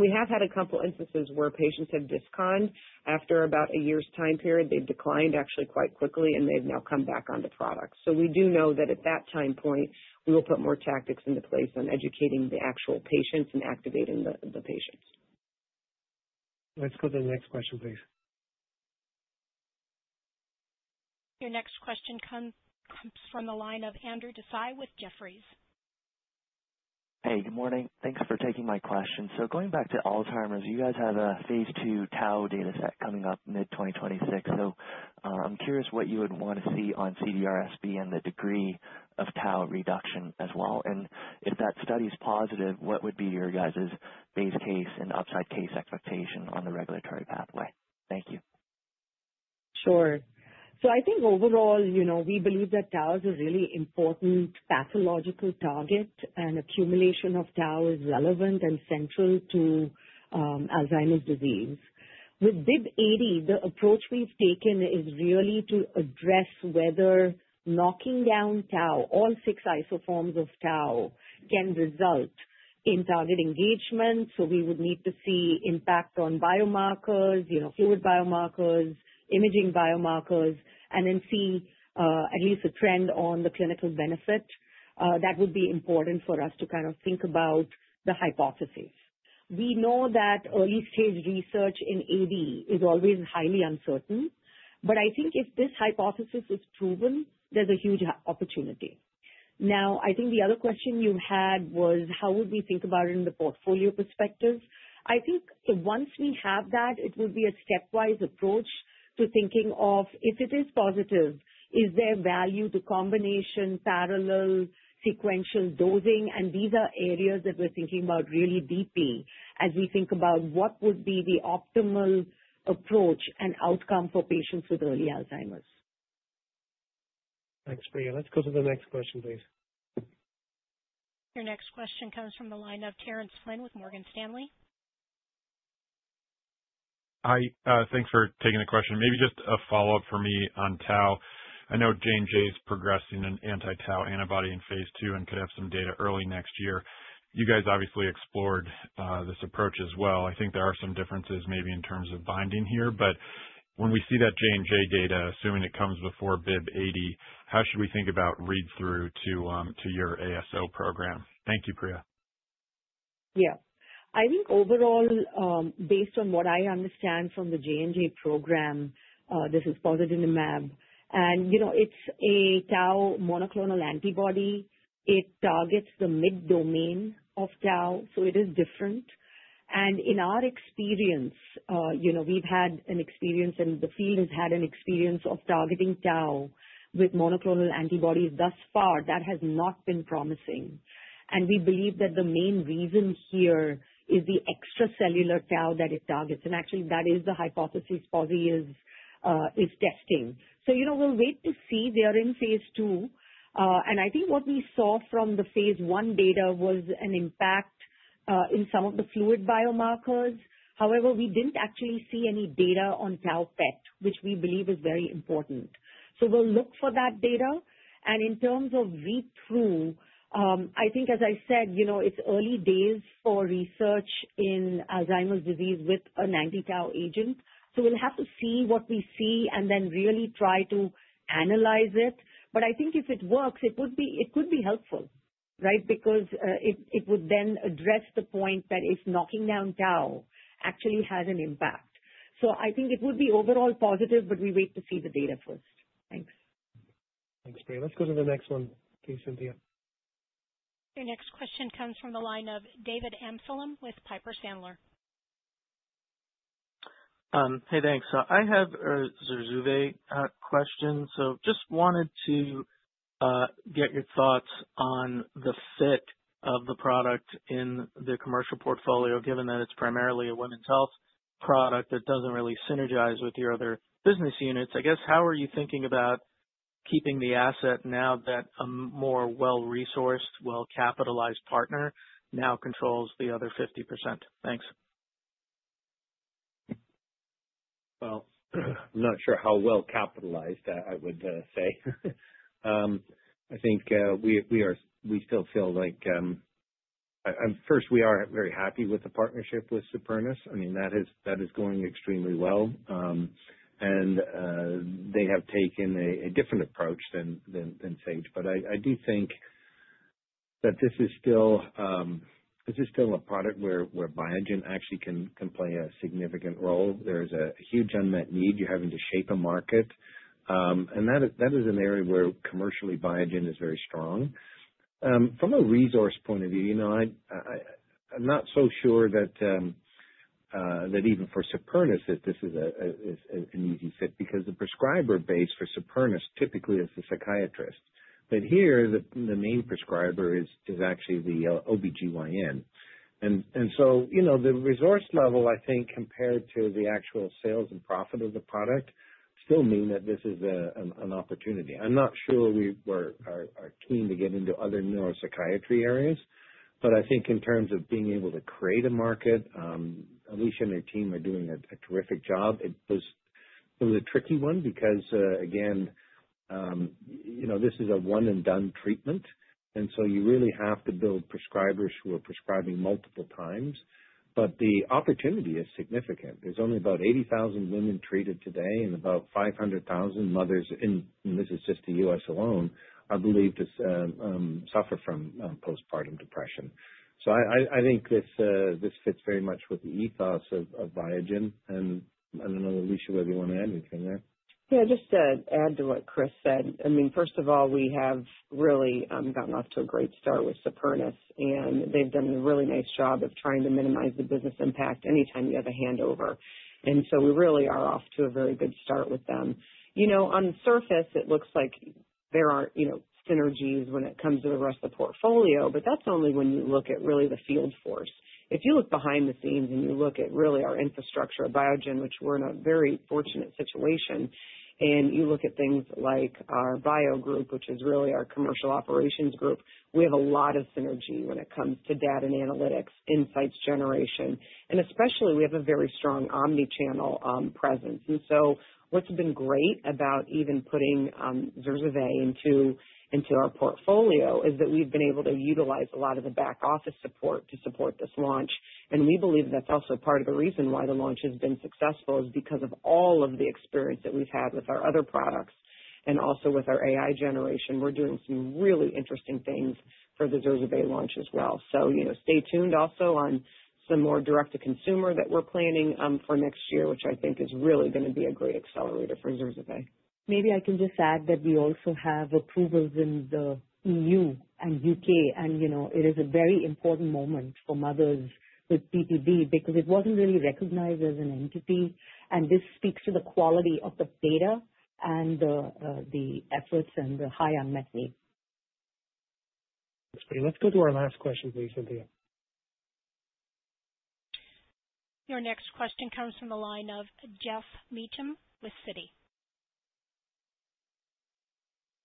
Speaker 5: We have had a couple of instances where patients have discontinued. After about a year's time period, they've declined actually quite quickly, and they've now come back on the product. We do know that at that time point, we will put more tactics into place on educating the actual patients and activating the patients.
Speaker 2: Let's go to the next question, please.
Speaker 1: Your next question comes from the line of Andrew Tsai with Jefferies.
Speaker 13: Hey, good morning. Thanks for taking my question. So going back to Alzheimer's, you guys have a phase II tau dataset coming up mid-2026. So I'm curious what you would want to see on CDR-SB and the degree of tau reduction as well. And if that study is positive, what would be your guys' base case and upside case expectation on the regulatory pathway? Thank you.
Speaker 4: Sure. So I think overall, we believe that tau is a really important pathological target, and accumulation of tau is relevant and central to Alzheimer's disease. With BIIB080, the approach we've taken is really to address whether knocking down tau, all six isoforms of tau, can result in target engagement. So we would need to see impact on biomarkers, fluid biomarkers, imaging biomarkers, and then see at least a trend on the clinical benefit. That would be important for us to kind of think about the hypothesis. We know that early-stage research in AD is always highly uncertain. But I think if this hypothesis is proven, there's a huge opportunity. Now, I think the other question you had was, how would we think about it in the portfolio perspective? I think once we have that, it would be a stepwise approach to thinking of, if it is positive, is there value to combination, parallel, sequential dosing? And these are areas that we're thinking about really deeply as we think about what would be the optimal approach and outcome for patients with early Alzheimer's.
Speaker 2: Thanks, Priya. Let's go to the next question, please.
Speaker 1: Your next question comes from the line of Terence Flynn with Morgan Stanley.
Speaker 14: Hi. Thanks for taking the question. Maybe just a follow-up for me on tau. I know J&J is progressing an anti-tau antibody in phase II and could have some data early next year. You guys obviously explored this approach as well. I think there are some differences maybe in terms of binding here. But when we see that J&J data, assuming it comes before BIIB080, how should we think about read-through to your ASO program? Thank you, Priya.
Speaker 4: Yeah. I think overall, based on what I understand from the J&J program, this is posdinemab. And it's a tau monoclonal antibody. It targets the mid-domain of tau. So it is different. And in our experience, we've had an experience, and the field has had an experience of targeting tau with monoclonal antibodies. Thus far, that has not been promising. And we believe that the main reason here is the extracellular tau that it targets. And actually, that is the hypothesis Posiphen is testing. So we'll wait to see. They are in phase II. And I think what we saw from the phase I data was an impact in some of the fluid biomarkers. However, we didn't actually see any data on tau PET, which we believe is very important. So we'll look for that data. And in terms of read-through, I think, as I said, it's early days for research in Alzheimer's disease with an anti-tau agent. So we'll have to see what we see and then really try to analyze it. But I think if it works, it would be helpful, right, because it would then address the point that if knocking down tau actually has an impact. So I think it would be overall positive, but we wait to see the data first. Thanks.
Speaker 2: Thanks, Priya. Let's go to the next one, please, Cynthia.
Speaker 1: Your next question comes from the line of David Amsellem with Piper Sandler.
Speaker 15: Hey, thanks. So I have a Zurzuvae question. So just wanted to get your thoughts on the fit of the product in the commercial portfolio, given that it's primarily a women's health product that doesn't really synergize with your other business units. I guess, how are you thinking about keeping the asset now that a more well-resourced, well-capitalized partner now controls the other 50%? Thanks.
Speaker 3: I'm not sure how well-capitalized, I would say. I think we still feel like first, we are very happy with the partnership with Supernus. I mean, that is going extremely well. And they have taken a different approach than Sage. But I do think that this is still a product where Biogen actually can play a significant role. There is a huge unmet need. You're having to shape a market. And that is an area where commercially Biogen is very strong. From a resource point of view, I'm not so sure that even for Supernus, this is an easy fit because the prescriber base for Supernus typically is the psychiatrist. But here, the main prescriber is actually the OB-GYN. And so the resource level, I think, compared to the actual sales and profit of the product still mean that this is an opportunity. I'm not sure we are keen to get into other neuropsychiatry areas, but I think in terms of being able to create a market, Alisha and her team are doing a terrific job. It was a tricky one because, again, this is a one-and-done treatment, and so you really have to build prescribers who are prescribing multiple times, but the opportunity is significant. There's only about 80,000 women treated today and about 500,000 mothers, and this is just the U.S. alone, I believe suffer from postpartum depression, so I think this fits very much with the ethos of Biogen, and I don't know, Alisha, whether you want to add anything there.
Speaker 5: Yeah. Just to add to what Chris said. I mean, first of all, we have really gotten off to a great start with Supernus. And they've done a really nice job of trying to minimize the business impact anytime you have a handover. And so we really are off to a very good start with them. On the surface, it looks like there aren't synergies when it comes to the rest of the portfolio, but that's only when you look at really the field force. If you look behind the scenes and you look at really our infrastructure at Biogen, which we're in a very fortunate situation, and you look at things like our bio group, which is really our commercial operations group, we have a lot of synergy when it comes to data and analytics, insights generation. And especially, we have a very strong omnichannel presence. And so what's been great about even putting Zurzuvae into our portfolio is that we've been able to utilize a lot of the back-office support to support this launch. And we believe that's also part of the reason why the launch has been successful is because of all of the experience that we've had with our other products and also with our AI generation. We're doing some really interesting things for the Zurzuvae launch as well. So stay tuned also on some more direct-to-consumer that we're planning for next year, which I think is really going to be a great accelerator for Zurzuvae.
Speaker 4: Maybe I can just add that we also have approvals in the E.U. and U.K. And it is a very important moment for mothers with PPD because it wasn't really recognized as an entity. And this speaks to the quality of the data and the efforts and the high unmet need.
Speaker 2: That's great. Let's go to our last question, please, Cynthia.
Speaker 1: Your next question comes from the line of Geoff Meacham with Bank of America.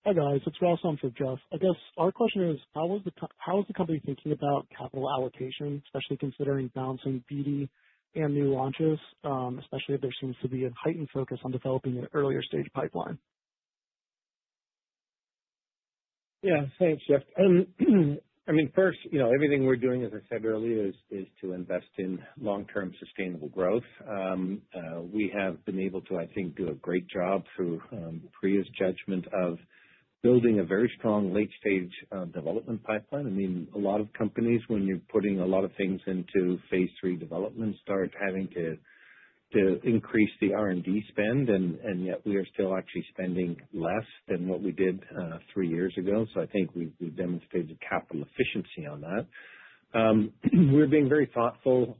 Speaker 16: Hi guys. It's Ross Harvey, Geoff. I guess our question is, how is the company thinking about capital allocation, especially considering balancing BD and new launches, especially if there seems to be a heightened focus on developing an earlier-stage pipeline?
Speaker 3: Yeah. Thanks, Geoff. I mean, first, everything we're doing, as I said earlier, is to invest in long-term sustainable growth. We have been able to, I think, do a great job through Priya's judgment of building a very strong late-stage development pipeline. I mean, a lot of companies, when you're putting a lot of things into phase III development, start having to increase the R&D spend. And yet, we are still actually spending less than what we did three years ago. So I think we've demonstrated capital efficiency on that. We're being very thoughtful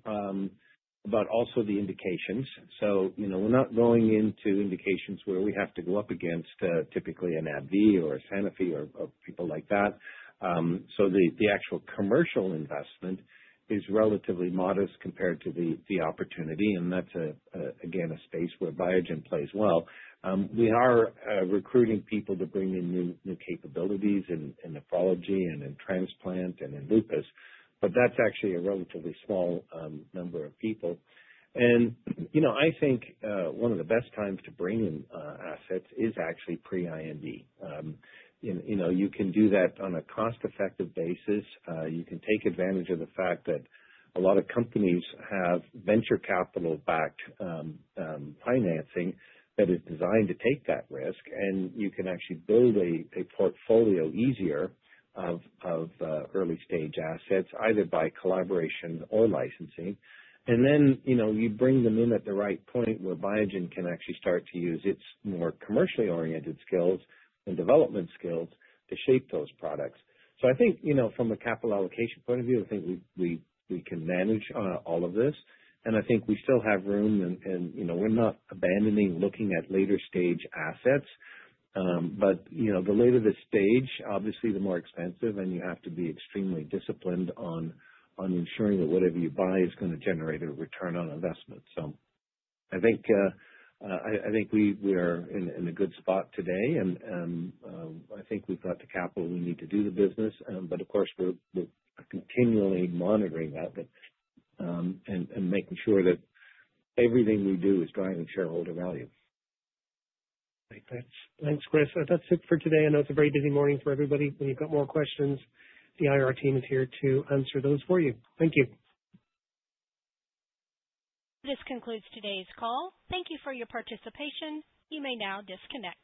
Speaker 3: about also the indications. So we're not going into indications where we have to go up against typically an AbbVie or a Sanofi or people like that. So the actual commercial investment is relatively modest compared to the opportunity. And that's, again, a space where Biogen plays well. We are recruiting people to bring in new capabilities in nephrology and in transplant and in lupus. But that's actually a relatively small number of people. And I think one of the best times to bring in assets is actually pre-IND. You can do that on a cost-effective basis. You can take advantage of the fact that a lot of companies have venture capital-backed financing that is designed to take that risk. And you can actually build a portfolio easier of early-stage assets, either by collaboration or licensing. And then you bring them in at the right point where Biogen can actually start to use its more commercially oriented skills and development skills to shape those products. So I think from a capital allocation point of view, I think we can manage all of this. And I think we still have room. And we're not abandoning looking at later-stage assets. But the later the stage, obviously, the more expensive. And you have to be extremely disciplined on ensuring that whatever you buy is going to generate a return on investment. So I think we are in a good spot today. And I think we've got the capital we need to do the business. But of course, we're continually monitoring that and making sure that everything we do is driving shareholder value. Thanks, Chris. That's it for today. I know it's a very busy morning for everybody. When you've got more questions, the IR team is here to answer those for you. Thank you.
Speaker 1: This concludes today's call. Thank you for your participation. You may now disconnect.